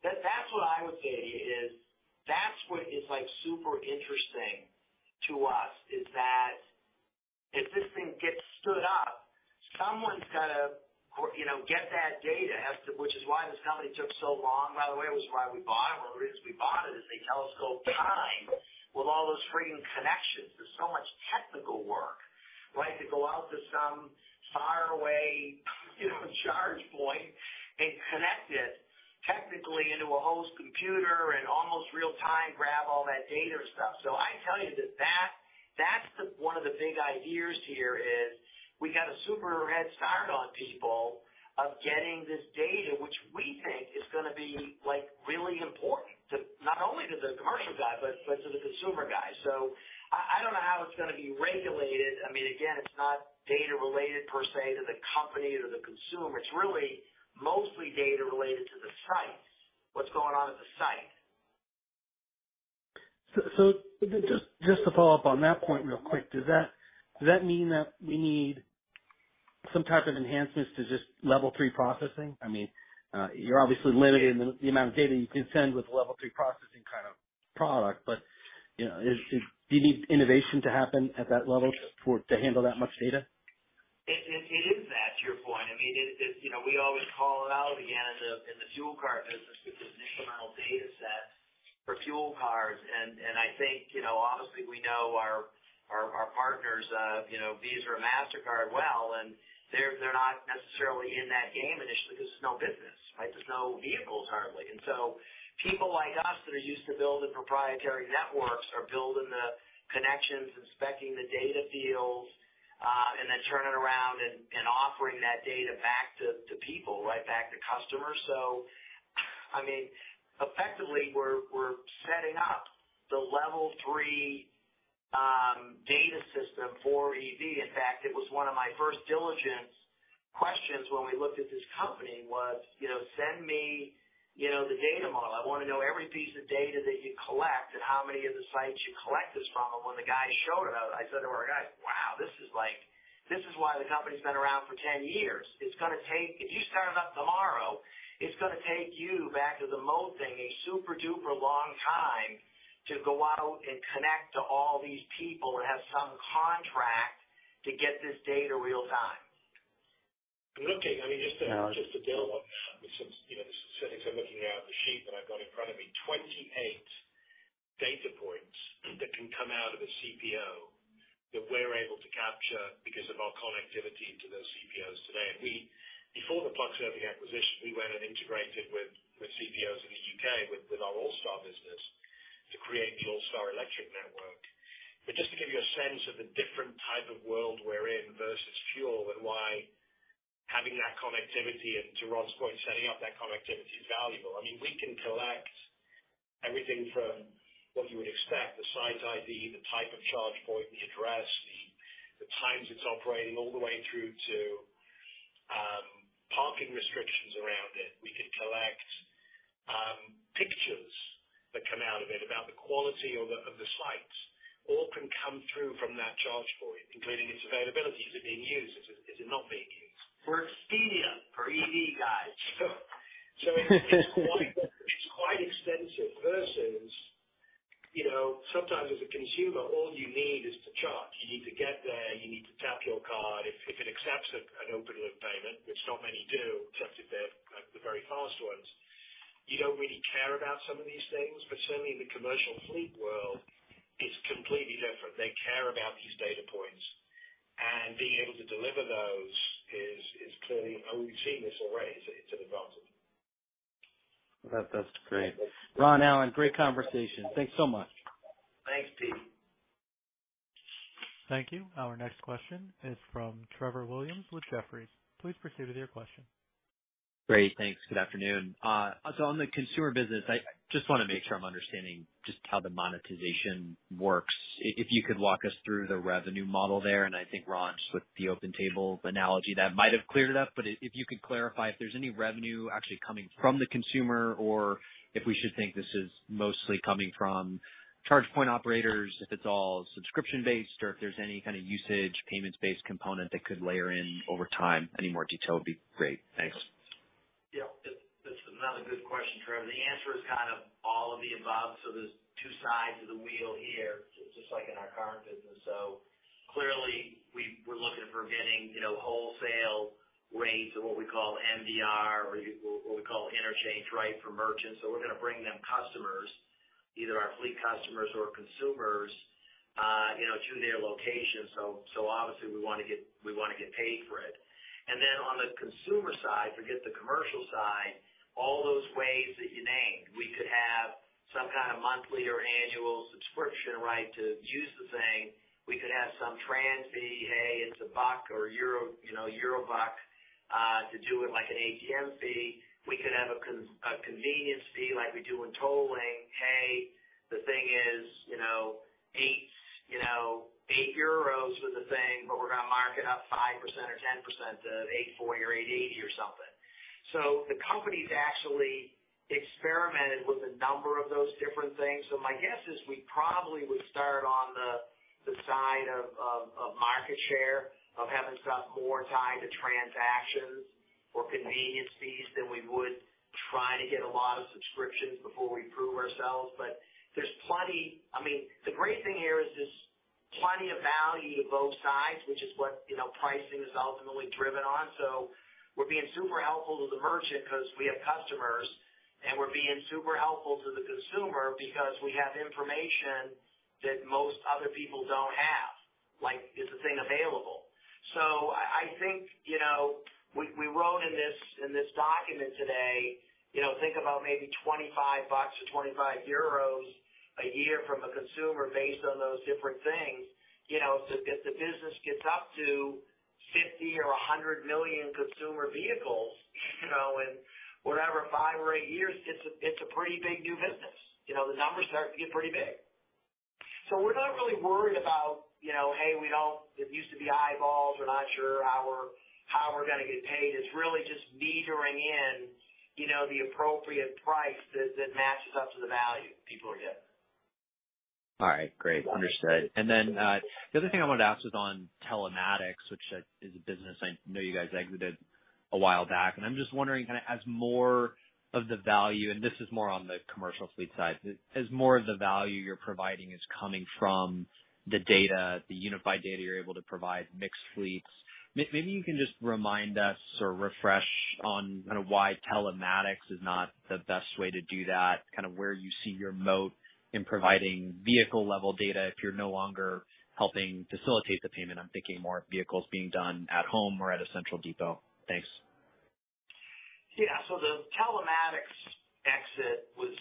That's what I would say is, like, super interesting to us is that if this thing gets stood up, someone's got to, you know, get that data, has to. Which is why this company took so long, by the way. It was why we bought it. One of the reasons we bought it is it took a long time with all those freaking connections. There's so much technical work, right? To go out to some faraway, you know, charge point and connect it technically into a host computer in almost real time, grab all that data stuff. I tell you that that's the. One of the big ideas here is we got a super head start on people in getting this data, which we think is gonna be, like, really important not only to the commercial guy, but to the consumer guy. I don't know how it's gonna be regulated. I mean, again, it's not data related per se to the company or the consumer. It's really mostly data related to the sites, what's going on at the site. Just to follow up on that point real quick, does that mean that we need some type of enhancements to just Level 3 processing? I mean, you're obviously limited in the amount of data you can send with a Level 3 processing kind of product. You know, do you need innovation to happen at that level to handle that much data? It is that, to your point. I mean, you know, we always call it out again in the fuel card business because there's an incremental data set for fuel cards. I think, you know, obviously we know our partners, you know, Visa or Mastercard well, and they're not necessarily in that game initially because there's no business, right? There's hardly any vehicles. People like us that are used to building proprietary networks are building the connections, inspecting the data fields, and then turning around and offering that data back to people, right, back to customers. I mean, effectively, we're setting up the Level 3 data system for EV. In fact, it was one of my first diligence questions when we looked at this company was, you know, "Send me, you know, the data model. I wanna know every piece of data that you collect and how many of the sites you collect this from." When the guy showed it, I said to our guys, "Wow, this is like this is why the company's been around for 10 years." It's gonna take if you start it up tomorrow. It's gonna take you back to the moat thing, a super-duper long time to go out and connect to all these people and have some contract to get this data real time. I'm looking. I mean, just to. Yeah. Just to deal with some, you know, the specifics. I'm looking here at the sheet that I've got in front of me. 28 data points that can come out of a CPO that we're able to capture because of our connectivity to those CPOs today. Before the PlugShare acquisition, we went and integrated with CPOs in the UK with our Allstar business to create the Allstar electric network. Just to give you a sense of the different type of world we're in versus fuel and why having that connectivity, and to Ron's point, setting up that connectivity is valuable. I mean, we can collect everything from what you would expect, the site ID, the type of charge point, the address, the times it's operating, all the way through to parking restrictions around it. We can collect pictures that come out of it about the quality of the sites. All can come through from that charge point, including its availability. Is it being used? Is it not being used? We're Expedia for EV guys. You know, sometimes as a consumer, all you need is to charge. You need to get there, you need to tap your card. If it accepts an open loop payment, which not many do, except if they're the very fast ones, you don't really care about some of these things. Certainly in the commercial fleet world, it's completely different. They care about these data points, and being able to deliver those is clearly an advantage. We've seen this already. It's an advantage. That's great. Ron Allen, great conversation. Thanks so much. Thanks, Pete. Thank you. Our next question is from Trevor Williams with Jefferies. Please proceed with your question. Great. Thanks. Good afternoon. So on the consumer business, I just wanna make sure I'm understanding just how the monetization works. If you could walk us through the revenue model there, and I think Ron, just with the OpenTable analogy, that might have cleared it up, but if you could clarify if there's any revenue actually coming from the consumer or if we should think this is mostly coming from charge point operators, if it's all subscription-based or if there's any kinda usage, payments-based component that could layer in over time. Any more detail would be great. Thanks. Yeah. That's another good question, Trevor. The answer is kind of all of the above. There's two sides of the wheel here, just like in our current business. Clearly we're looking at capturing, you know, wholesale rates or what we call MDR or what we call interchange, right, for merchants. We're gonna bring them customers, either our fleet customers or consumers, you know, to their location. Obviously we wanna get paid for it. Then on the consumer side, forget the commercial side, all those ways that you named, we could have some kind of monthly or annual subscription right to use the thing. We could have some trans fee, hey, it's $1 or EUR 1, you know, to do it like an ATM fee. We could have a convenience fee like we do in tolling. Hey, the thing is, 8 for the thing, but we're gonna mark it up 5% or 10% to 8.80 or something. The company's actually experimented with a number of those different things. My guess is we probably would start on the side of market share, of having stuff more tied to transactions or convenience fees than we would try to get a lot of subscriptions before we prove ourselves. There's plenty. I mean, the great thing here is there's plenty of value to both sides, which is what pricing is ultimately driven on. We're being super helpful to the merchant 'cause we have customers, and we're being super helpful to the consumer because we have information that most other people don't have. Like, is the thing available? I think, you know, we wrote in this document today, you know, think about maybe $25 or 25 euros a year from a consumer based on those different things. You know, if the business gets up to 50 or 100 million consumer vehicles, you know, in whatever, 5 or 8 years, it's a pretty big new business. You know, the numbers start to get pretty big. We're not really worried about, you know, hey, we don't. It used to be eyeballs. We're not sure how we're gonna get paid. It's really just metering in, you know, the appropriate price that matches up to the value people are getting. All right. Great. Understood. The other thing I wanted to ask was on Telematics, which is a business I know you guys exited a while back, and I'm just wondering kinda as more of the value, and this is more on the commercial fleet side, as more of the value you're providing is coming from the data, the unified data you're able to provide mixed fleets. Maybe you can just remind us or refresh on kinda why Telematics is not the best way to do that, kind of where you see your moat in providing vehicle-level data if you're no longer helping facilitate the payment. I'm thinking more of vehicles being done at home or at a central depot. Thanks. Yeah. The Telematics exit was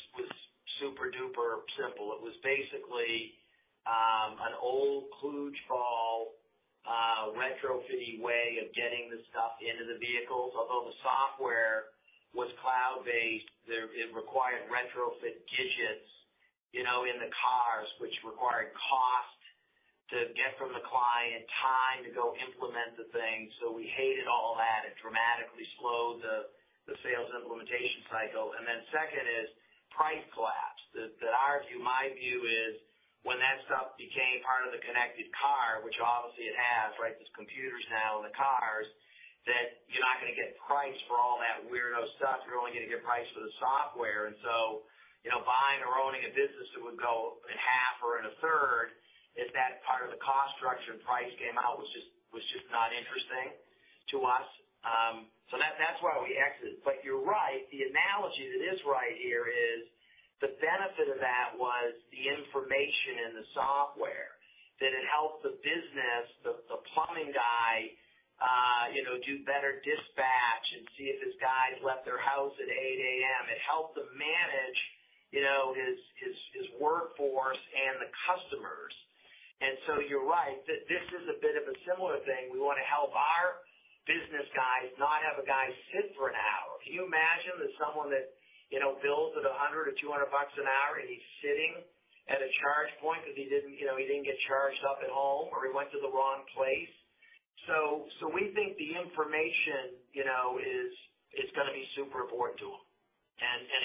super-duper simple. It was basically, an old kludge ball, retrofitty way of getting the stuff into the vehicles. Although the software was cloud-based, it required retrofit gadgets, you know, in the cars, which required cost to get from the client, time to go implement the thing. We hated all that. It dramatically slowed the sales implementation cycle. Second is price collapse. Our view, my view is when that stuff became part of the connected car, which obviously it has, right? There's computers now in the cars, that you're not gonna get priced for all that weirdo stuff. You're only gonna get priced for the software. You know, buying or owning a business that would go in half or in a third if that part of the cost structure and price came out was just not interesting to us. That's why we exited. You're right. The analogy that is right here is the benefit of that was the information and the software, that it helped the business, the plumbing guy, you know, do better dispatch and see if this guy's left their house at 8:00 A.M. It helped him manage, you know, his workforce and the customers. You're right, this is a bit of a similar thing. We wanna help our business guys not have a guy sit for an hour. Can you imagine that someone that, you know, bills at $100 or $200 an hour and he's sitting at a charge point because he didn't, you know, he didn't get charged up at home or he went to the wrong place? We think the information, you know, is gonna be super important to him.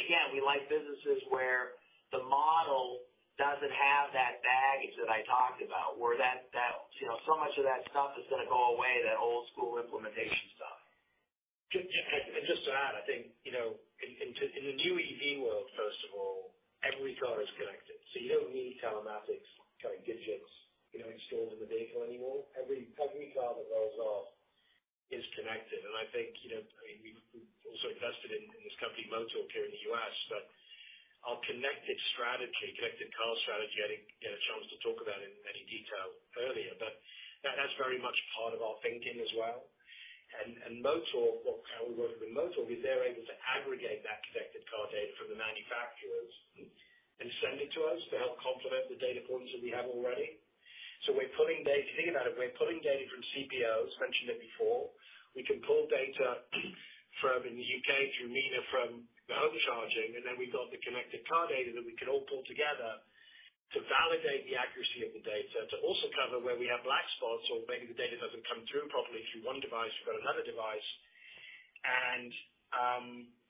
Again, we like businesses where the model doesn't have that baggage that I talked about, where that. You know, so much of that stuff is gonna go away, that old school implementation stuff. I think, you know, in the new EV world, first of all, every car is connected. So you don't need telematics kind of devices, you know, installed in the vehicle anymore. Every car that rolls off is connected. I think, you know, I mean, we've also invested in this company Motorq here in the US, but our connected strategy, connected car strategy, I didn't get a chance to talk about in any detail earlier, but that has very much part of our thinking as well. Motorq, how we work with Motorq is they're able to aggregate that connected car data from the manufacturers and send it to us to help complement the data points that we have already. So we're pulling data from CPOs, mentioned it before. We can pull data from in the UK through Mina from the home charging, and then we've got the connected car data that we can all pull together to validate the accuracy of the data, to also cover where we have blind spots or maybe the data doesn't come through properly through one device, but another device.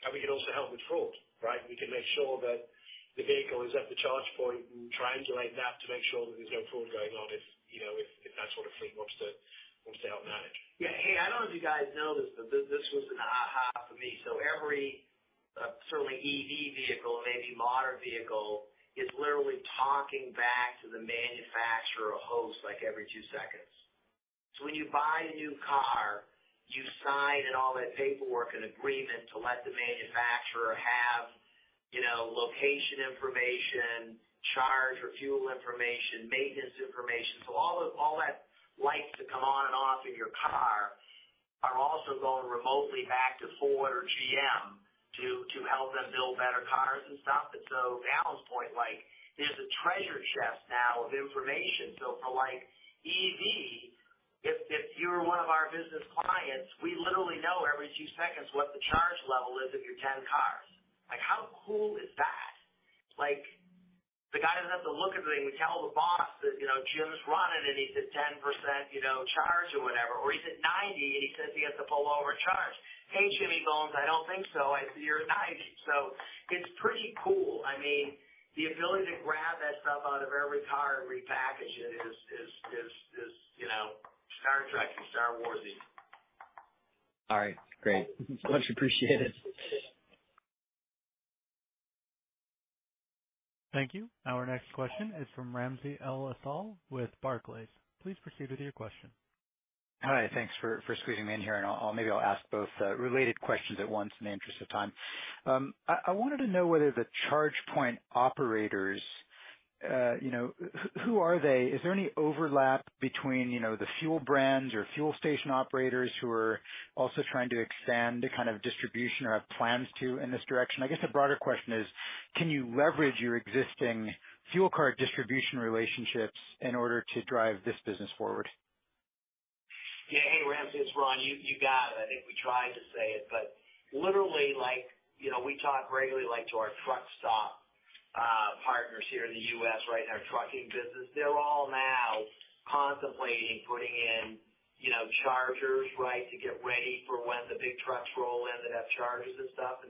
We can also help with fraud, right? We can make sure that the vehicle is at the charge point and triangulate that to make sure that there's no fraud going on if, you know, if that sort of fleet wants to help manage. Yeah. Hey, I don't know if you guys know this, but this was an aha for me. Every certainly EV vehicle, maybe modern vehicle is literally talking back to the manufacturer or host, like every two seconds. When you buy a new car, you sign in all that paperwork and agreement to let the manufacturer have, you know, location information, charge or fuel information, maintenance information. All that lights to come on and off in your car are also going remotely back to Ford or GM to help them build better cars and stuff. To Alan's point, like there's a treasure chest now of information. For like EV, if you're one of our business clients, we literally know every two seconds what the charge level is of your 10 cars. Like, how cool is that? Like, the guy doesn't have to look at the thing. We tell the boss that, you know, Jim's running it, and he's at 10%, you know, charge or whatever, or he's at 90, and he says he has to pull over and charge. Hey, Jimmy Bones, I don't think so. I see you're at 90. It's pretty cool. I mean, the ability to grab that stuff out of every car and repackage it is, you know, Star Trek and Star Wars-y. All right. Great. Much appreciated. Thank you. Our next question is from Ramsey El-Assal with Barclays. Please proceed with your question. Hi. Thanks for squeezing me in here, and I'll maybe ask both related questions at once in the interest of time. I wanted to know whether the charge point operators, you know, who are they? Is there any overlap between, you know, the fuel brands or fuel station operators who are also trying to expand the kind of distribution or have plans to in this direction? I guess the broader question is, can you leverage your existing fuel card distribution relationships in order to drive this business forward? Yeah. Hey, Ramsey, it's Ron. You got it. I think we tried to say it, but literally, like, you know, we talk regularly, like, to our truck stop partners here in the U.S., right? In our trucking business. They're all now contemplating putting in, you know, chargers, right, to get ready for when the big trucks roll in that have chargers and stuff.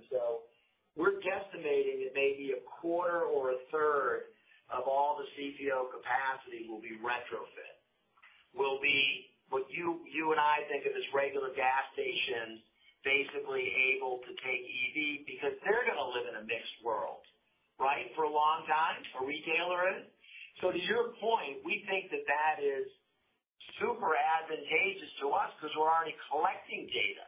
We're guesstimating that maybe a quarter or a third of all the CPO capacity will be retrofit, what you and I think of as regular gas stations basically able to take EV because they're gonna live in a mixed world, right? For a long time. A retailer is. To your point, we think that that is super advantageous to us 'cause we're already collecting data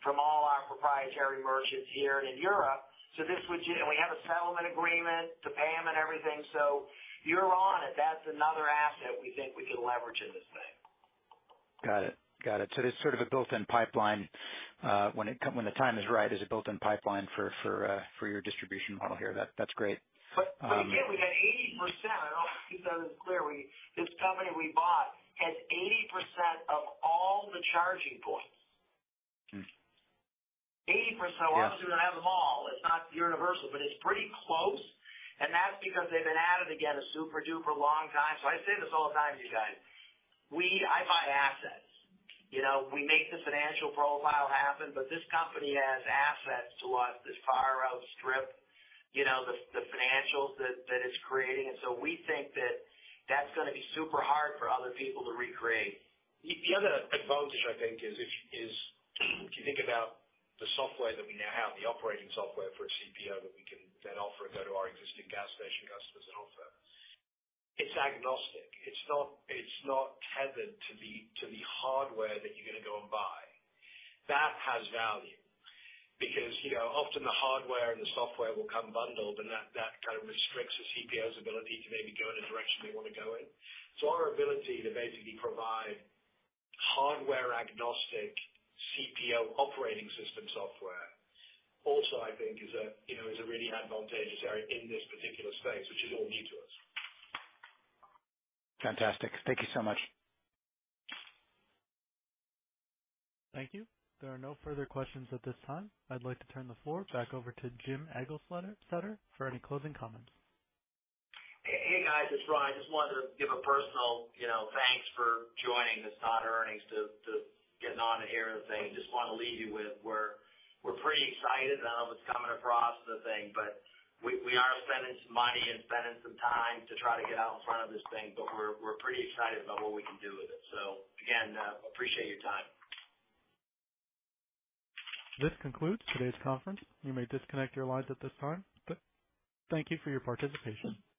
from all our proprietary merchants here and in Europe. We have a settlement agreement to pay them and everything. You're on it. That's another asset we think we can leverage in this thing. Got it. There's sort of a built-in pipeline, when the time is right, there's a built-in pipeline for your distribution model here. That's great. Again, we got 80%. I don't want to keep saying this clearly. This company we bought has 80% of all the charging points. Hmm. 80%. Yeah. We're obviously gonna have them all. It's not universal, but it's pretty close, and that's because they've been at it, again, a super-duper long time. I say this all the time, you guys. I buy assets, you know. We make the financial profile happen, but this company has assets to us that far outstrip, you know, the financials that it's creating. We think that that's gonna be super hard for other people to recreate. The other advantage, I think, is if you think about the software that we now have, the operating software for CPO that we can then offer and go to our existing gas station customers and offer. It's agnostic. It's not tethered to the hardware that you're gonna go and buy. That has value because, you know, often the hardware and the software will come bundled, and that kind of restricts the CPO's ability to maybe go in a direction they wanna go in. Our ability to basically provide hardware-agnostic CPO operating system software also I think is a, you know, really advantageous area in this particular space, which is all new to us. Fantastic. Thank you so much. Thank you. There are no further questions at this time. I'd like to turn the floor back over to Jim Eglseder for any closing comments. Hey, guys, it's Ron. I just wanted to give a personal, you know, thanks for joining this on earnings to getting on and hearing the thing. Just wanna leave you with we're pretty excited. I don't know if it's coming across the thing, but we are spending some money and spending some time to try to get out in front of this thing, but we're pretty excited about what we can do with it. Again, appreciate your time. This concludes today's conference. You may disconnect your lines at this time. Thank you for your participation.